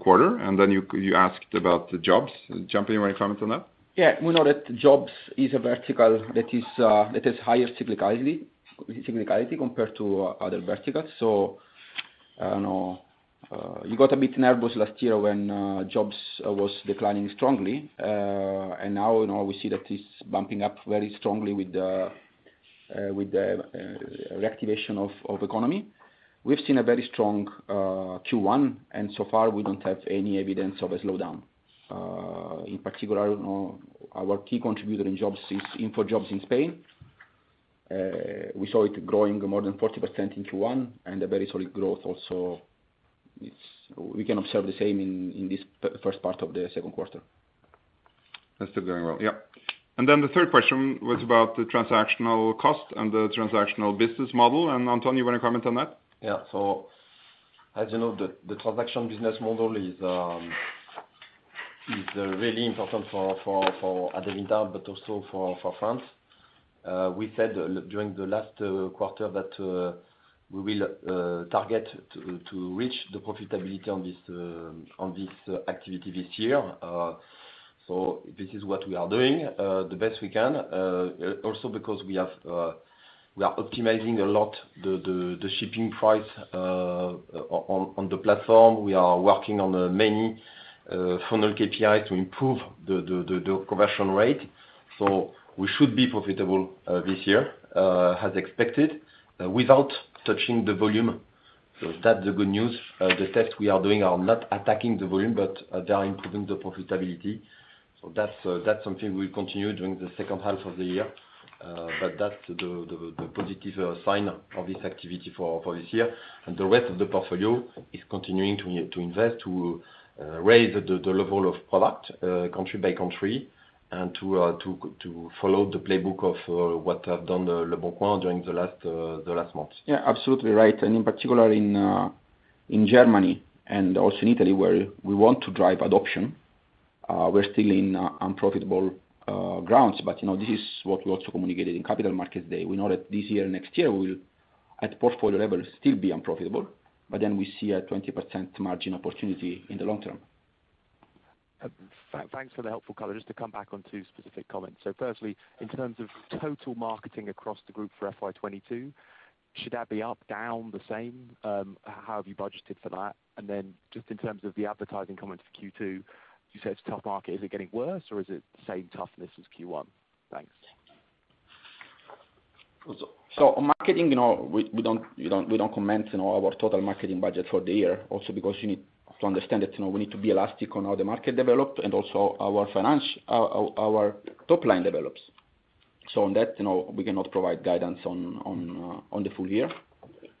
quarter. You asked about the jobs. Champion, you want to comment on that? Yeah. We know that jobs is a vertical that is higher cyclicality compared to other verticals. I don't know, you got a bit nervous last year when jobs was declining strongly. Now, you know, we see that it's bumping up very strongly with the reactivation of economy. We've seen a very strong Q1, and so far we don't have any evidence of a slowdown. In particular, you know, our key contributor in jobs is InfoJobs in Spain. We saw it growing more than 40% in Q1 and a very solid growth also. We can observe the same in this first part of the second quarter. That's still going well. Yeah. The third question was about the transactional cost and the transactional business model. Antoine, you want to comment on that? Yeah. As you know, the transaction business model is really important for Adevinta, but also for France. We said during the last quarter that we will target to reach the profitability on this activity this year. This is what we are doing, the best we can. Also because we are optimizing a lot the shipping price on the platform. We are working on many funnel KPI to improve the conversion rate. We should be profitable this year, as expected, without touching the volume. That's the good news. The tests we are doing are not attacking the volume, but they are improving the profitability. That's something we continue during the second half of the year. That's the positive sign of this activity for this year. The rest of the portfolio is continuing to invest to raise the level of product country by country and to follow the playbook of what I've done leboncoin during the last months. Yeah, absolutely right. In particular in Germany and also in Italy, where we want to drive adoption, we're still in unprofitable grounds. You know, this is what we also communicated in Capital Markets Day. We know that this year and next year we will, at portfolio level, still be unprofitable, but then we see a 20% margin opportunity in the long term. Thanks for the helpful color. Just to come back on two specific comments. Firstly, in terms of total marketing across the group for FY 2022, should that be up, down, the same? How have you budgeted for that? Then just in terms of the advertising comment for Q2, you said it's a tough market. Is it getting worse or is it the same toughness as Q1? Thanks. On marketing, you know, we don't comment on our total marketing budget for the year. Also, because you need to understand that, you know, we need to be elastic on how the market developed and also our financial, our top line develops. On that, you know, we cannot provide guidance on the full year.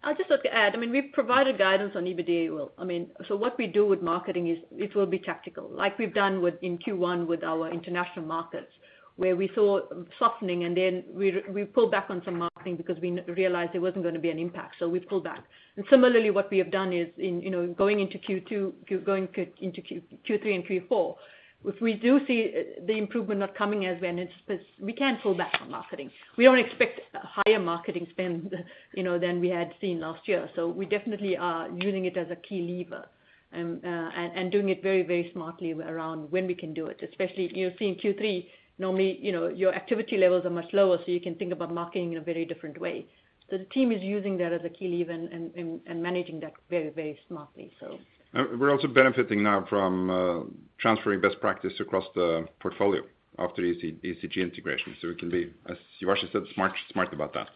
I'll just add, I mean, we've provided guidance on EBITDA. Well, I mean, what we do with marketing is it will be tactical, like we've done within Q1 with our international markets, where we saw softening and then we pulled back on some marketing because we realized there wasn't gonna be an impact, so we pulled back. Similarly, what we have done is, you know, going into Q2, Q3, and Q4, if we do see the improvement not coming as when it's, we can pull back on marketing. We don't expect higher marketing spend, you know, than we had seen last year. We definitely are using it as a key lever, and doing it very smartly around when we can do it. Especially, you know, seeing Q3, normally, you know, your activity levels are much lower, so you can think about marketing in a very different way. The team is using that as a key lever and managing that very, very smartly, so. We're also benefiting now from transferring best practice across the portfolio after eBay Classifieds Group integration. It can be, as Uvashni said, smart about that.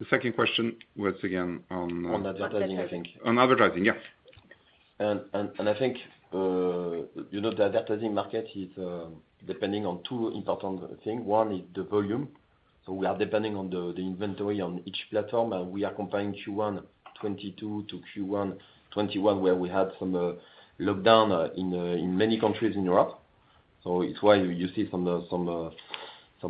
The second question was again on On advertising, I think. Advertising. On advertising, yeah. I think you know the advertising market is depending on two important things. One is the volume. We are depending on the inventory on each platform, and we are comparing Q1 2022 to Q1 2021, where we had some lockdown in many countries in Europe. It's why you see some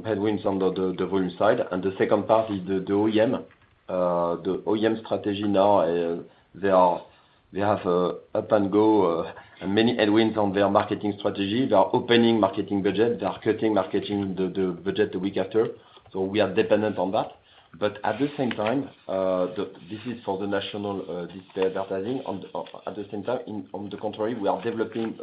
headwinds on the volume side. The second part is the OEM. The OEM strategy now, they have ups and downs many headwinds on their marketing strategy. They are opening marketing budget, they are cutting marketing the budget the week after. We are dependent on that. At the same time, this is for the national display advertising. At the same time, on the contrary, we are developing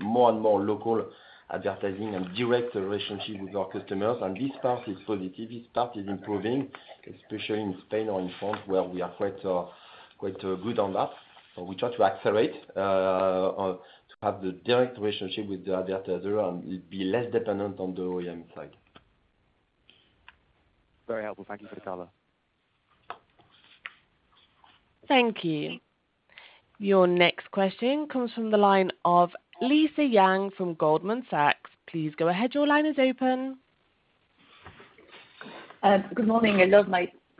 more and more local advertising and direct relationship with our customers. This part is positive. This part is improving, especially in Spain or in France, where we are quite good on that. We try to accelerate or to have the direct relationship with the advertiser and be less dependent on the OEM side. Very helpful. Thank you for the color. Thank you. Your next question comes from the line of Lisa Yang from Goldman Sachs. Please go ahead. Your line is open. Good morning.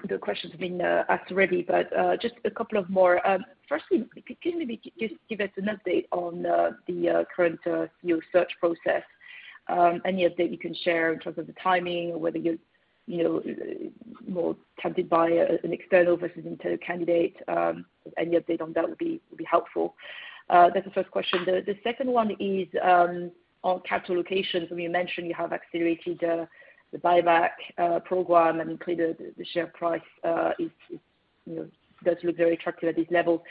The questions have been asked already, but just a couple more. Firstly, could you maybe give us an update on the current CEO search process? Any update you can share in terms of the timing, whether you're, you know, more tempted by an external versus internal candidate? Any update on that would be helpful. That's the first question. The second one is on capital allocation. I mean, you mentioned you have accelerated the buyback program, and clearly the share price is, you know, does look very attractive at this level.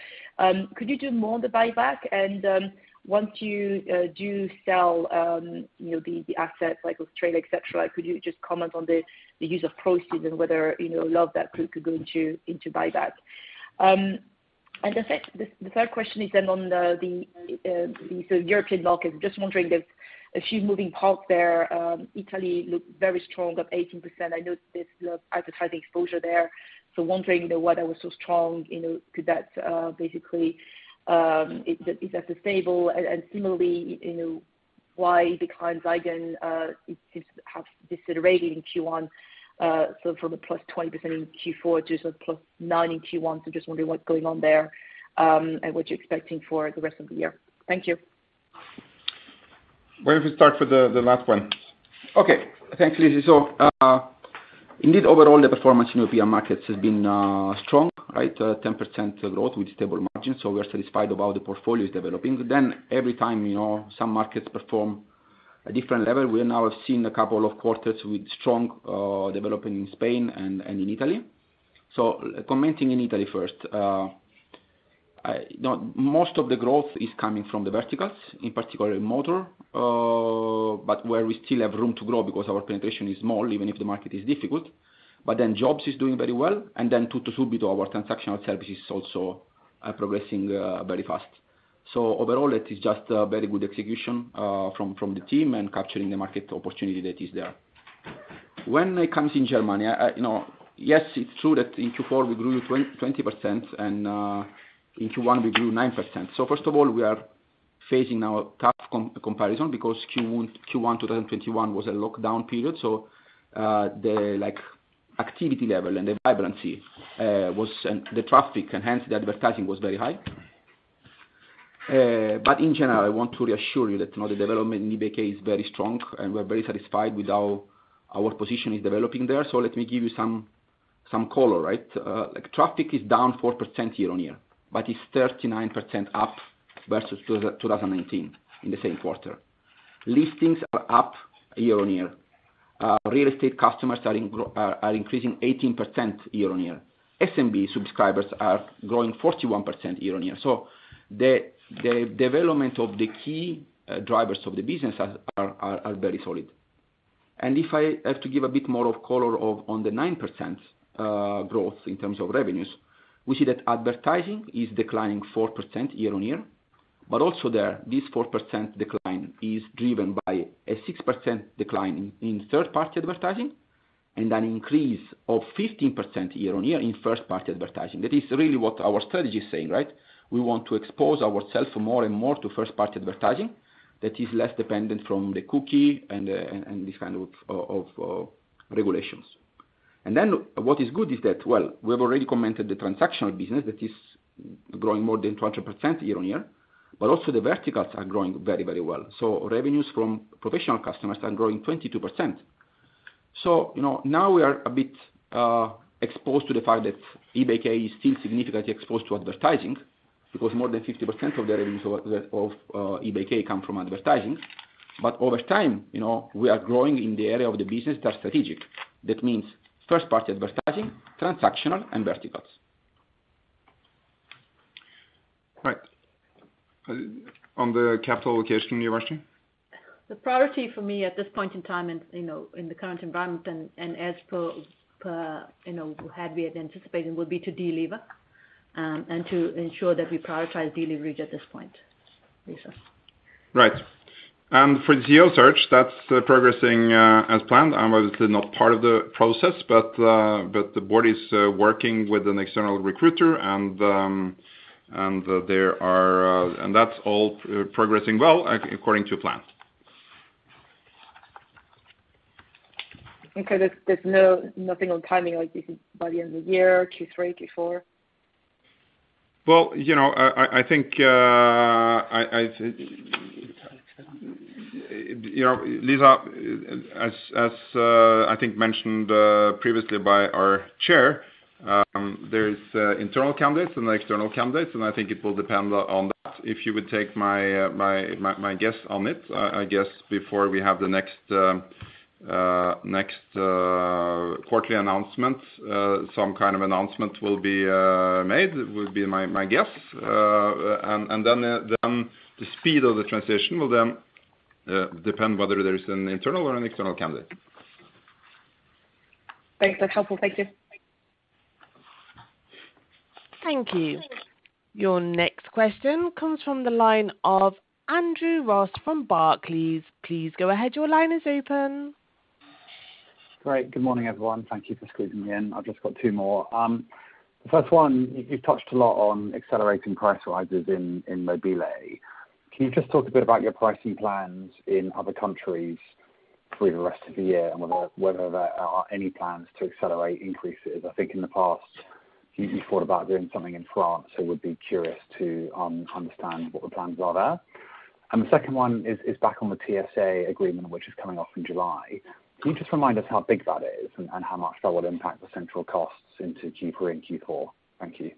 Could you do more on the buyback? Once you do sell, you know, the assets like Australia, et cetera, could you just comment on the use of proceeds and whether, you know, a lot of that could go into buyback? The third question is then on the European markets. Just wondering, there's a few moving parts there. Italy looked very strong, up 18%. I know there's a lot of advertising exposure there, so wondering, you know, why that was so strong. You know, could that basically is that sustainable? Similarly, you know, why the Kleinanzeigen have decelerated in Q1. From the +20% in Q4 to sort of +9% in Q1. Just wondering what's going on there, and what you're expecting for the rest of the year. Thank you. Why don't we start with the last one? Okay. Thanks, Lisa. Indeed, overall, the performance in European markets has been strong, right? 10% growth with stable margins. We are satisfied with how the portfolio is developing. Every time, you know, some markets perform at a different level. We now have seen a couple of quarters with strong development in Spain and in Italy. Commenting on Italy first. No, most of the growth is coming from the verticals, in particular motor. But where we still have room to grow because our penetration is small, even if the market is difficult. Jobs is doing very well. TuttoSubito, our transactional services, also are progressing very fast. Overall, it is just a very good execution from the team and capturing the market opportunity that is there. When it comes to Germany, you know, yes, it's true that in Q4 we grew 20% and in Q1 we grew 9%. First of all, we are facing now a tough comparison because Q1 2021 was a lockdown period. The activity level and the vibrancy, like, was and the traffic, and hence the advertising was very high. But in general, I want to reassure you that, you know, the development in eBay K is very strong, and we're very satisfied with how our position is developing there. Let me give you some color, right? Like, traffic is down 4% year-on-year, but it's 39% up versus 2019 in the same quarter. Listings are up year-on-year. Real estate customers are increasing 18% year-on-year. SMB subscribers are growing 41% year-on-year. The development of the key drivers of the business are very solid. If I have to give a bit more color on the 9% growth in terms of revenues, we see that advertising is declining 4% year-on-year. This 4% decline is driven by a 6% decline in third-party advertising and an increase of 15% year-on-year in first-party advertising. That is really what our strategy is saying, right? We want to expose ourselves more and more to first-party advertising that is less dependent from the cookie and this kind of regulations. What is good is that we have already commented the transactional business that is growing more than 20% year-on-year, but also the verticals are growing very well. Revenues from professional customers are growing 22%. You know, now we are a bit exposed to the fact that eBay Kleinanzeigen is still significantly exposed to advertising because more than 50% of the revenues of eBay Kleinanzeigen come from advertising. Over time, you know, we are growing in the area of the business that's strategic. That means first party advertising, transactional and verticals. Right. On the capital allocation, Uvashni. The priority for me at this point in time and, you know, in the current environment and as per, you know, had we anticipated would be to delever and to ensure that we prioritize deleverage at this point. Lisa. Right. For the CEO search that's progressing as planned. I'm obviously not part of the process, but the board is working with an external recruiter and that's all progressing well according to plan. Okay. There's nothing on timing like this is by the end of the year, Q3, Q4? Well, you know, I think you know, Lisa, as I think mentioned previously by our chair, there's internal candidates and external candidates, and I think it will depend on that. If you would take my guess on it, I guess before we have the next quarterly announcement, some kind of announcement will be made, would be my guess. The speed of the transition will depend whether there is an internal or an external candidate. Thanks. That's helpful. Thank you. Thank you. Your next question comes from the line of Andrew Ross from Barclays. Please go ahead. Your line is open. Great. Good morning, everyone. Thank you for squeezing me in. I've just got two more. The first one, you've touched a lot on accelerating price rises in mobile.de. Can you just talk a bit about your pricing plans in other countries for the rest of the year, and whether there are any plans to accelerate increases? I think in the past you thought about doing something in France, so would be curious to understand what the plans are there. The second one is back on the TSA agreement, which is coming off in July. Can you just remind us how big that is and how much that would impact the central costs into Q3 and Q4? Thank you.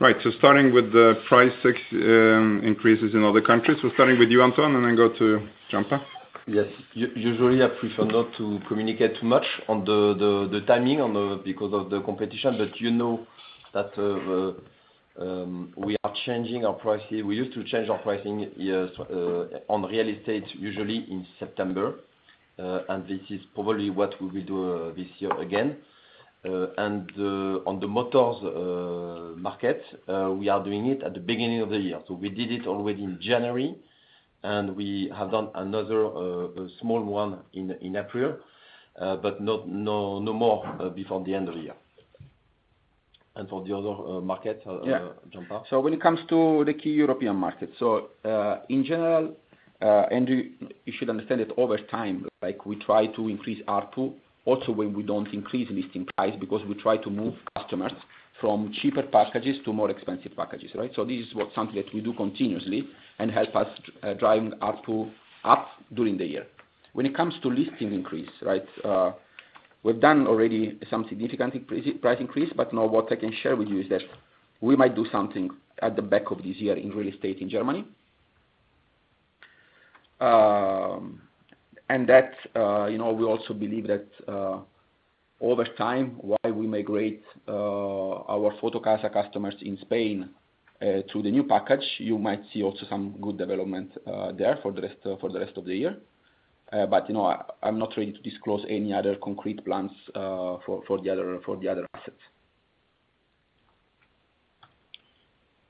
Right. Starting with the price increases in other countries. Starting with you, Antoine, and then go to Gianpaolo. Yes. Usually I prefer not to communicate much on the timing because of the competition. You know that we are changing our pricing. We used to change our pricing, yes, on real estate, usually in September. This is probably what we will do this year again. On the motors market we are doing it at the beginning of the year. We did it already in January, and we have done another small one in April, but no more before the end of the year. For the other market. Yeah. Giapa. When it comes to the key European markets. In general, Andrew, you should understand that over time, like we try to increase ARPU also when we don't increase listing price because we try to move customers from cheaper packages to more expensive packages, right? This is something that we do continuously and help us driving ARPU up during the year. When it comes to listing increase, we've done already some significant price increase, but now what I can share with you is that we might do something at the back of this year in real estate in Germany. You know, we also believe that over time, while we migrate our Fotocasa customers in Spain to the new package, you might see also some good development there for the rest of the year. You know, I'm not ready to disclose any other concrete plans for the other assets.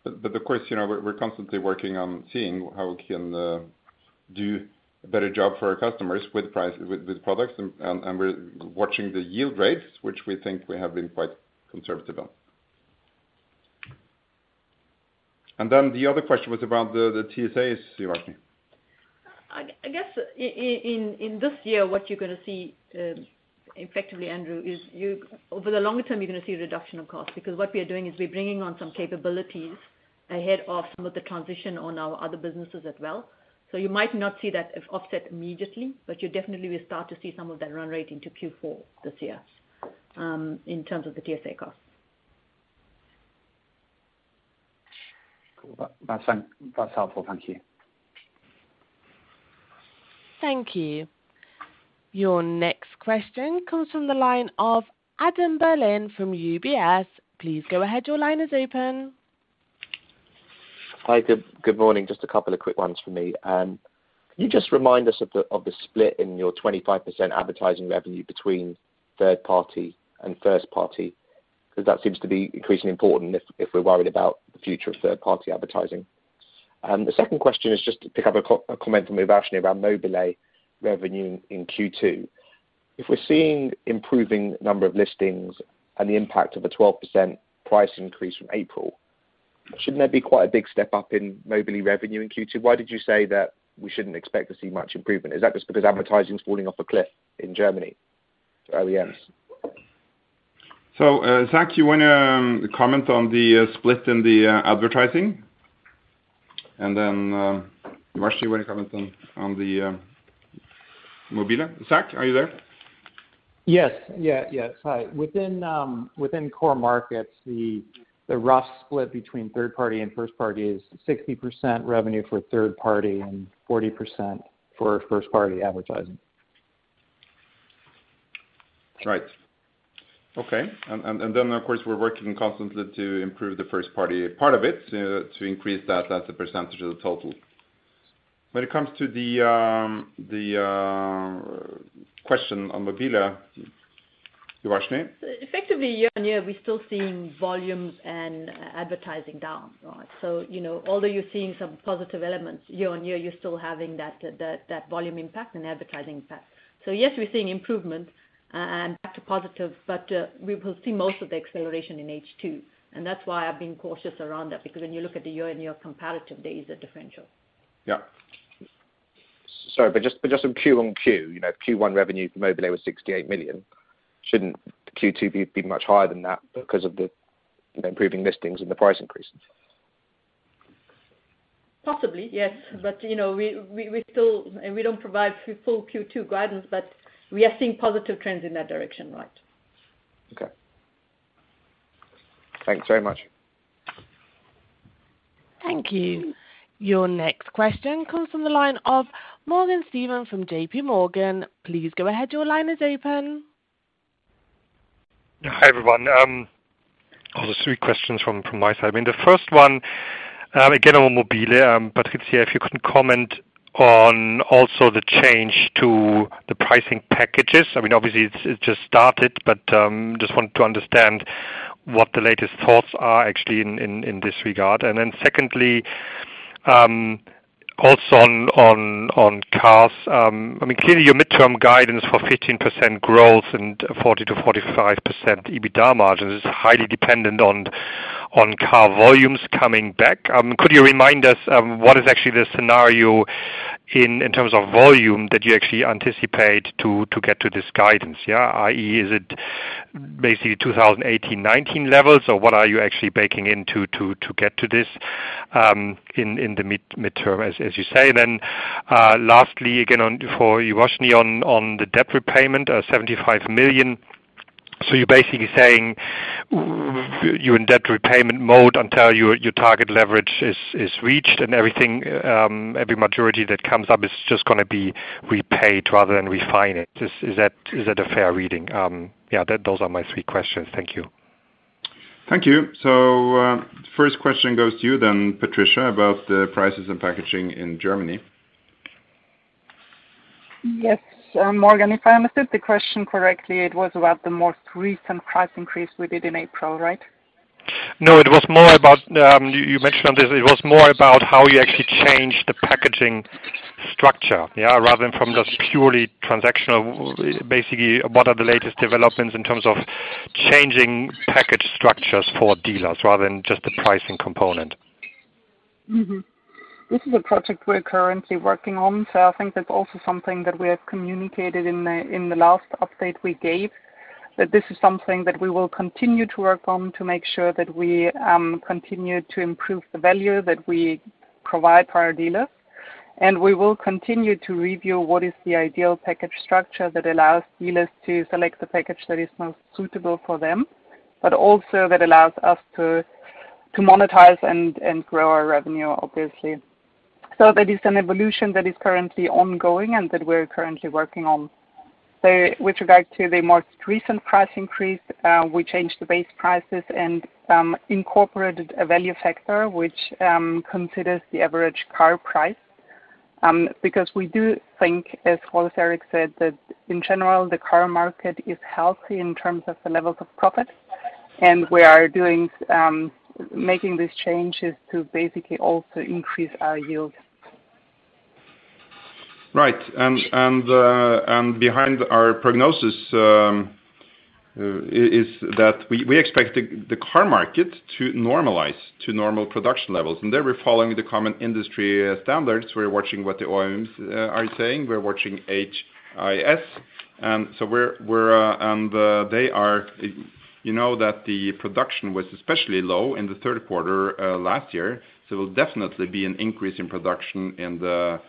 Of course, you know, we're constantly working on seeing how we can do a better job for our customers with price, with products. We're watching the yield rates, which we think we have been quite conservative on. Then the other question was about the TSAs, Uvashni. I guess in this year, what you're gonna see, effectively, Andrew, is over the longer term you're gonna see a reduction of costs. Because what we are doing is we're bringing on some capabilities ahead of some of the transition on our other businesses as well. You might not see that offset immediately, but you definitely will start to see some of that run rate into Q4 this year, in terms of the TSA costs. Cool. That's helpful. Thank you. Thank you. Your next question comes from the line of Adam Berlin from UBS. Please go ahead. Your line is open. Hi. Good morning. Just a couple of quick ones for me. Can you just remind us of the split in your 25% advertising revenue between third party and first party? 'Cause that seems to be increasingly important if we're worried about the future of third party advertising. The second question is just to have a comment from Uvashni around Mobile.de revenue in Q2. If we're seeing improving number of listings and the impact of the 12% price increase from April. Shouldn't there be quite a big step up in Mobile.de revenue in Q2? Why did you say that we shouldn't expect to see much improvement? Is that just because advertising's falling off a cliff in Germany? Zac, you wanna comment on the split in the advertising? Uvashni, do you wanna comment on the Mobile.de? Zac, are you there? Yes. Hi. Within core markets, the rough split between third party and first party is 60% revenue for third party and 40% for first party advertising. Right. Okay. Then, of course, we're working constantly to improve the first party part of it to increase that as a percentage of the total. When it comes to the question on Mobile.de, Uvashni? Effectively year-over-year, we're still seeing volumes and advertising down, right? You know, although you're seeing some positive elements, year-over-year, you're still having that volume impact and advertising impact. Yes, we're seeing improvement and back to positive, but we will see most of the acceleration in H2. That's why I've been cautious around that, because when you look at the year-over-year comparative, there is a differential. Yeah. Sorry, just some Q on Q, you know, Q1 revenue for Mobile.de was 68 million. Shouldn't Q2 be much higher than that because of the improving listings and the price increases? Possibly, yes. You know, we still don't provide full Q2 guidance, but we are seeing positive trends in that direction. Right. Okay. Thanks very much. Thank you. Your next question comes from the line of Morgan Steven from JP Morgan. Please go ahead. Your line is open. Yeah. Hi, everyone. All the three questions from my side. I mean, the first one, again, on Mobile.de. Patricia, if you can comment on also the change to the pricing packages. I mean, obviously it just started, but just want to understand what the latest thoughts are actually in this regard. Secondly, also on cars, I mean, clearly your midterm guidance for 15% growth and 40%-45% EBITDA margin is highly dependent on car volumes coming back. Could you remind us of what is actually the scenario in terms of volume that you actually anticipate to get to this guidance, yeah? i.e., is it basically 2018, 2019 levels, or what are you actually baking into to get to this in the midterm, as you say? Lastly, again, on for Uvashni on the debt repayment, 75 million. So you're basically saying you're in debt repayment mode until your target leverage is reached and everything, every maturity that comes up is just gonna be repaid rather than refinance. Is that a fair reading? Yeah, those are my three questions. Thank you. Thank you. First question goes to you then, Patricia, about the prices and packaging in Germany. Yes. Morgan, if I understood the question correctly, it was about the most recent price increase we did in April, right? No, it was more about, you mentioned this, it was more about how you actually changed the packaging structure, yeah, rather than from just purely transactional. Basically, what are the latest developments in terms of changing package structures for dealers rather than just the pricing component? This is a project we're currently working on, so I think that's also something that we have communicated in the last update we gave, that this is something that we will continue to work on to make sure that we continue to improve the value that we provide to our dealers. We will continue to review what is the ideal package structure that allows dealers to select the package that is most suitable for them, but also that allows us to monetize and grow our revenue, obviously. That is an evolution that is currently ongoing and that we're currently working on. With regard to the most recent price increase, we changed the base prices and incorporated a value factor which considers the average car price. Because we do think, as Rolf Erich said, that in general, the car market is healthy in terms of the levels of profit. We are making these changes to basically also increase our yield. Right. Behind our prognosis is that we expect the car market to normalize to normal production levels. There we're following the common industry standards. We're watching what the OEMs are saying. We're watching IHS. You know that the production was especially low in the third quarter last year, so there will definitely be an increase in production in the second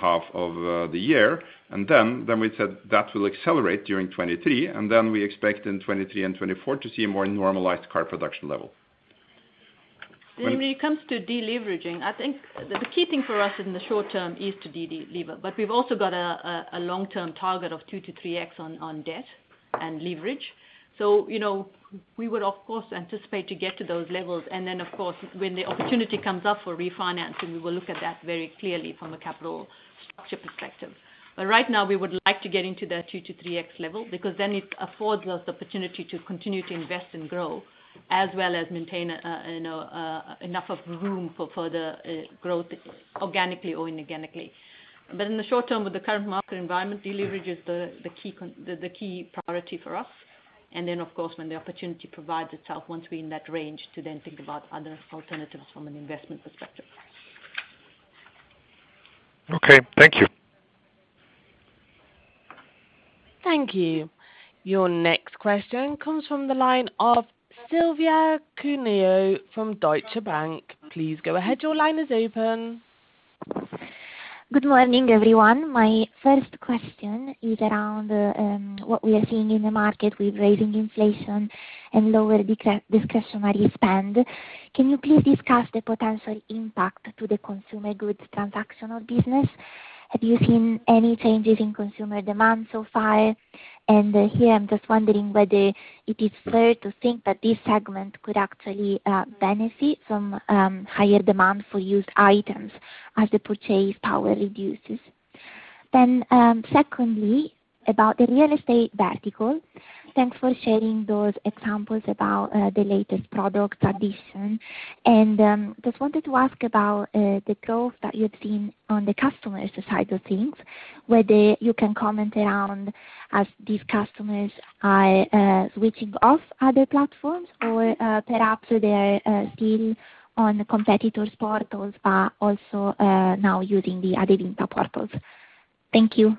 half of the year. Then we said that will accelerate during 2023, and then we expect in 2023 and 2024 to see a more normalized car production level. When it comes to deleveraging, I think the key thing for us in the short term is to delever. We've also got a long-term target of 2-3x on debt and leverage. You know, we would of course anticipate to get to those levels. Of course, when the opportunity comes up for refinancing, we will look at that very clearly from a capital structure perspective. Right now, we would like to get into that 2-3x level because then it affords us the opportunity to continue to invest and grow as well as maintain, you know, enough room for further growth organically or inorganically. In the short term, with the current market environment, deleverage is the key priority for us. Of course, when the opportunity provides itself once we're in that range to then think about other alternatives from an investment perspective. Okay, thank you. Thank you. Your next question comes from the line of Silvia Cuneo from Deutsche Bank. Please go ahead. Your line is open. Good morning, everyone. My first question is around what we are seeing in the market with rising inflation and lower discretionary spend. Can you please discuss the potential impact to the consumer goods transactional business? Have you seen any changes in consumer demand so far? Here, I'm just wondering whether it is fair to think that this segment could actually benefit from higher demand for used items as the purchasing power reduces. Secondly, about the real estate vertical. Thanks for sharing those examples about the latest product addition. Just wanted to ask about the growth that you've seen on the customer's side of things, whether you can comment around as these customers are switching off other platforms or perhaps they're still on competitors' portals are also now using the Adevinta portals. Thank you.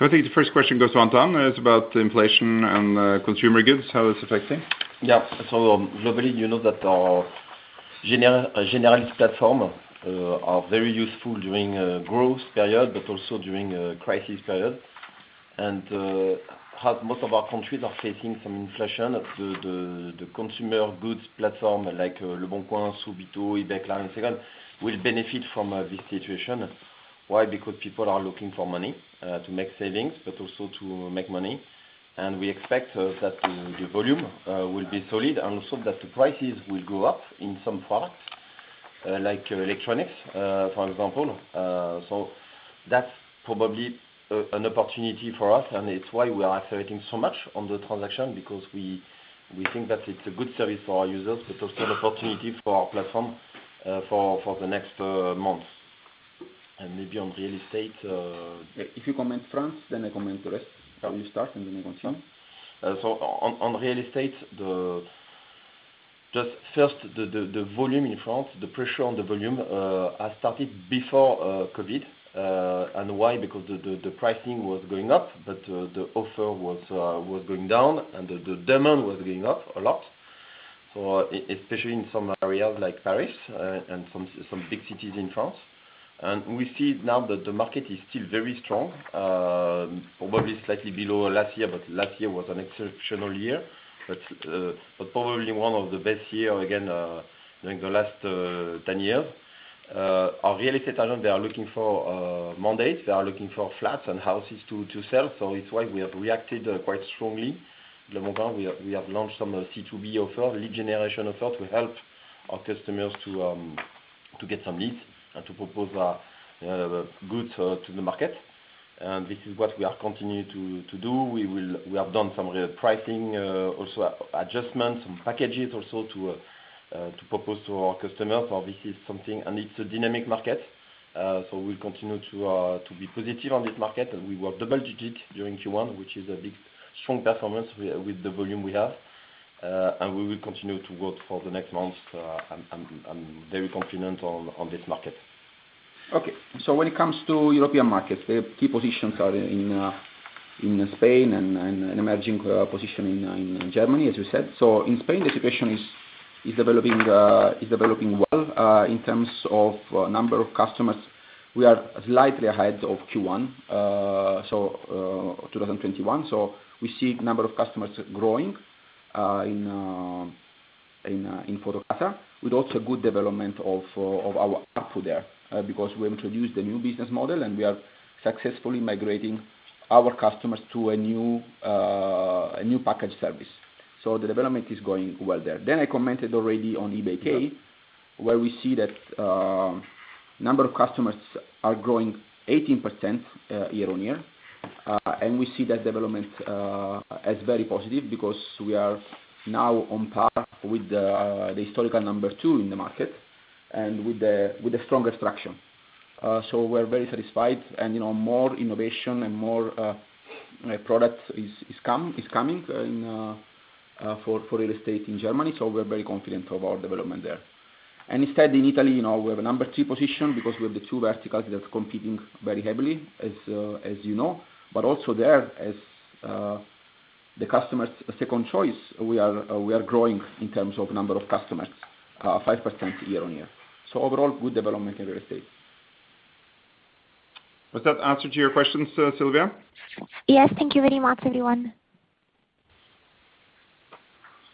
I think the first question goes to Antoine. It's about the inflation and consumer goods, how it's affecting. Yeah. Globally, you know that our general platform are very useful during a growth period, but also during a crisis period. Most of our countries are facing some inflation. The consumer goods platform like leboncoin, Subito, eBay Kleinanzeigen will benefit from this situation. Why? Because people are looking for money to make savings, but also to make money. We expect that the volume will be solid and also that the prices will go up in some products like electronics, for example. That's probably an opportunity for us, and it's why we are accelerating so much on the transaction because we think that it's a good service for our users, but also an opportunity for our platform for the next months. Maybe on real estate. If you comment France, then I comment the rest. You start, and then I continue. On real estate. Just first, the volume in France, the pressure on the volume has started before COVID. Why? Because the pricing was going up, but the offer was going down, and the demand was going up a lot, especially in some areas like Paris and some big cities in France. We see now that the market is still very strong, probably slightly below last year, but last year was an exceptional year. Probably one of the best year again during the last 10 years. Our real estate agent, they are looking for mandates. They are looking for flats and houses to sell. It's why we have reacted quite strongly. leboncoin, we have launched some C2B offer, lead generation offers to help our customers to get some leads and to propose goods to the market. This is what we are continuing to do. We have done some repricing, also adjustments, some packages also to propose to our customers. This is something. It's a dynamic market, so we'll continue to be positive on this market. We were double-digit during Q1, which is a big strong performance with the volume we have. We will continue to work for the next months, I'm very confident on this market. Okay. When it comes to European markets, the key positions are in Spain and an emerging position in Germany, as you said. In Spain, the situation is developing well. In terms of number of customers, we are slightly ahead of Q1 2021. We see number of customers growing in Fotocasa, with also good development of our ARPU there, because we introduced a new business model, and we are successfully migrating our customers to a new package service. The development is going well there. I commented already on eBay- Yeah. Kleinanzeigen, where we see that number of customers are growing 18% year-on-year. We see that development as very positive because we are now on par with the historical number two in the market and with the strongest traction. We're very satisfied. More innovation and more products is coming in for real estate in Germany. We're very confident of our development there. Instead, in Italy, we have a number two position because we have the two verticals that are competing very heavily, as you know. Also there, as the customers' second choice, we are growing in terms of number of customers 5% year-on-year. Overall, good development in real estate. Does that answer to your questions, Silvia? Yes. Thank you very much, everyone.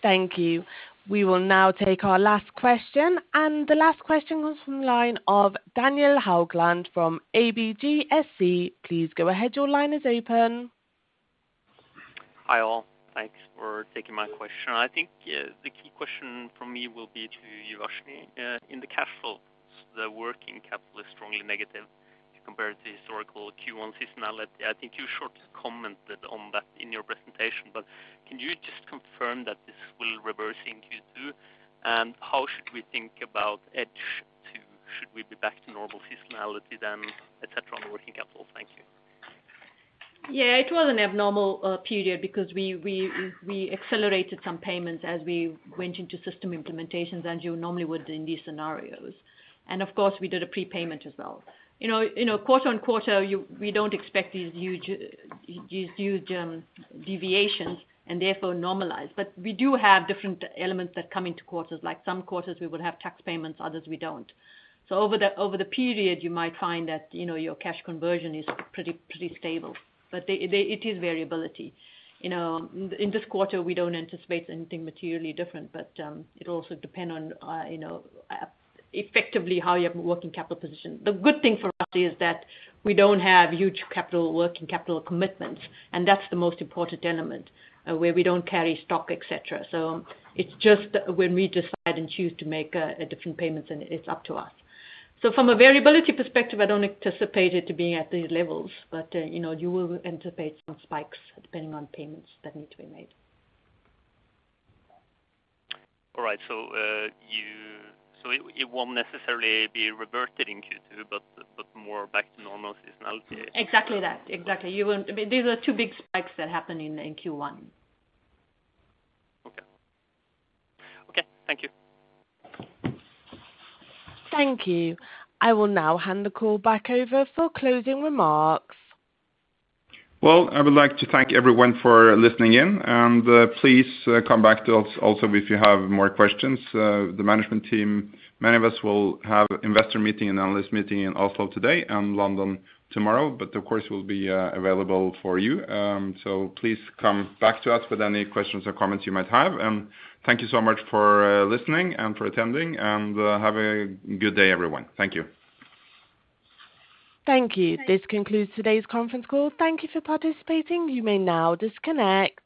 Thank you. We will now take our last question, and the last question comes from the line of Daniel Haugland from ABG SC. Please go ahead. Your line is open. Hi, all. Thanks for taking my question. I think, the key question from me will be to Uvashni. In the cash flows, the working capital is strongly negative. Historical Q1 seasonality. I think you shortly commented on that in your presentation, but can you just confirm that this will reverse in Q2? How should we think about should we be back to normal seasonality then, et cetera, on the working capital? Thank you. Yeah. It was an abnormal period because we accelerated some payments as we went into system implementations, as you normally would in these scenarios. Of course, we did a prepayment as well. Quarter on quarter, we don't expect these huge deviations and therefore normalize. We do have different elements that come into quarters. Like some quarters we would have tax payments, others we don't. Over the period, you might find that, you know, your cash conversion is pretty stable. It is variability. In this quarter, we don't anticipate anything materially different, but it also depend on, you know, effectively how your working capital position. The good thing for us is that we don't have huge capital, working capital commitments, and that's the most important element where we don't carry stock, et cetera. It's just when we decide and choose to make a different payment, then it's up to us. From a variability perspective, I don't anticipate it to be at these levels, but, you know, you will anticipate some spikes depending on payments that need to be made. It won't necessarily be reverted in Q2, but more back to normal seasonality? Exactly that. Exactly. I mean, these are two big spikes that happen in Q1. Okay, thank you. Thank you. I will now hand the call back over for closing remarks. Well, I would like to thank everyone for listening in, and please come back to us also if you have more questions. The management team, many of us will have investor meeting and analyst meeting in Oslo today and London tomorrow. Of course, we'll be available for you. Please come back to us with any questions or comments you might have, and thank you so much for listening and for attending, and have a good day, everyone. Thank you. Thank you. This concludes today's conference call. Thank you for participating. You may now disconnect.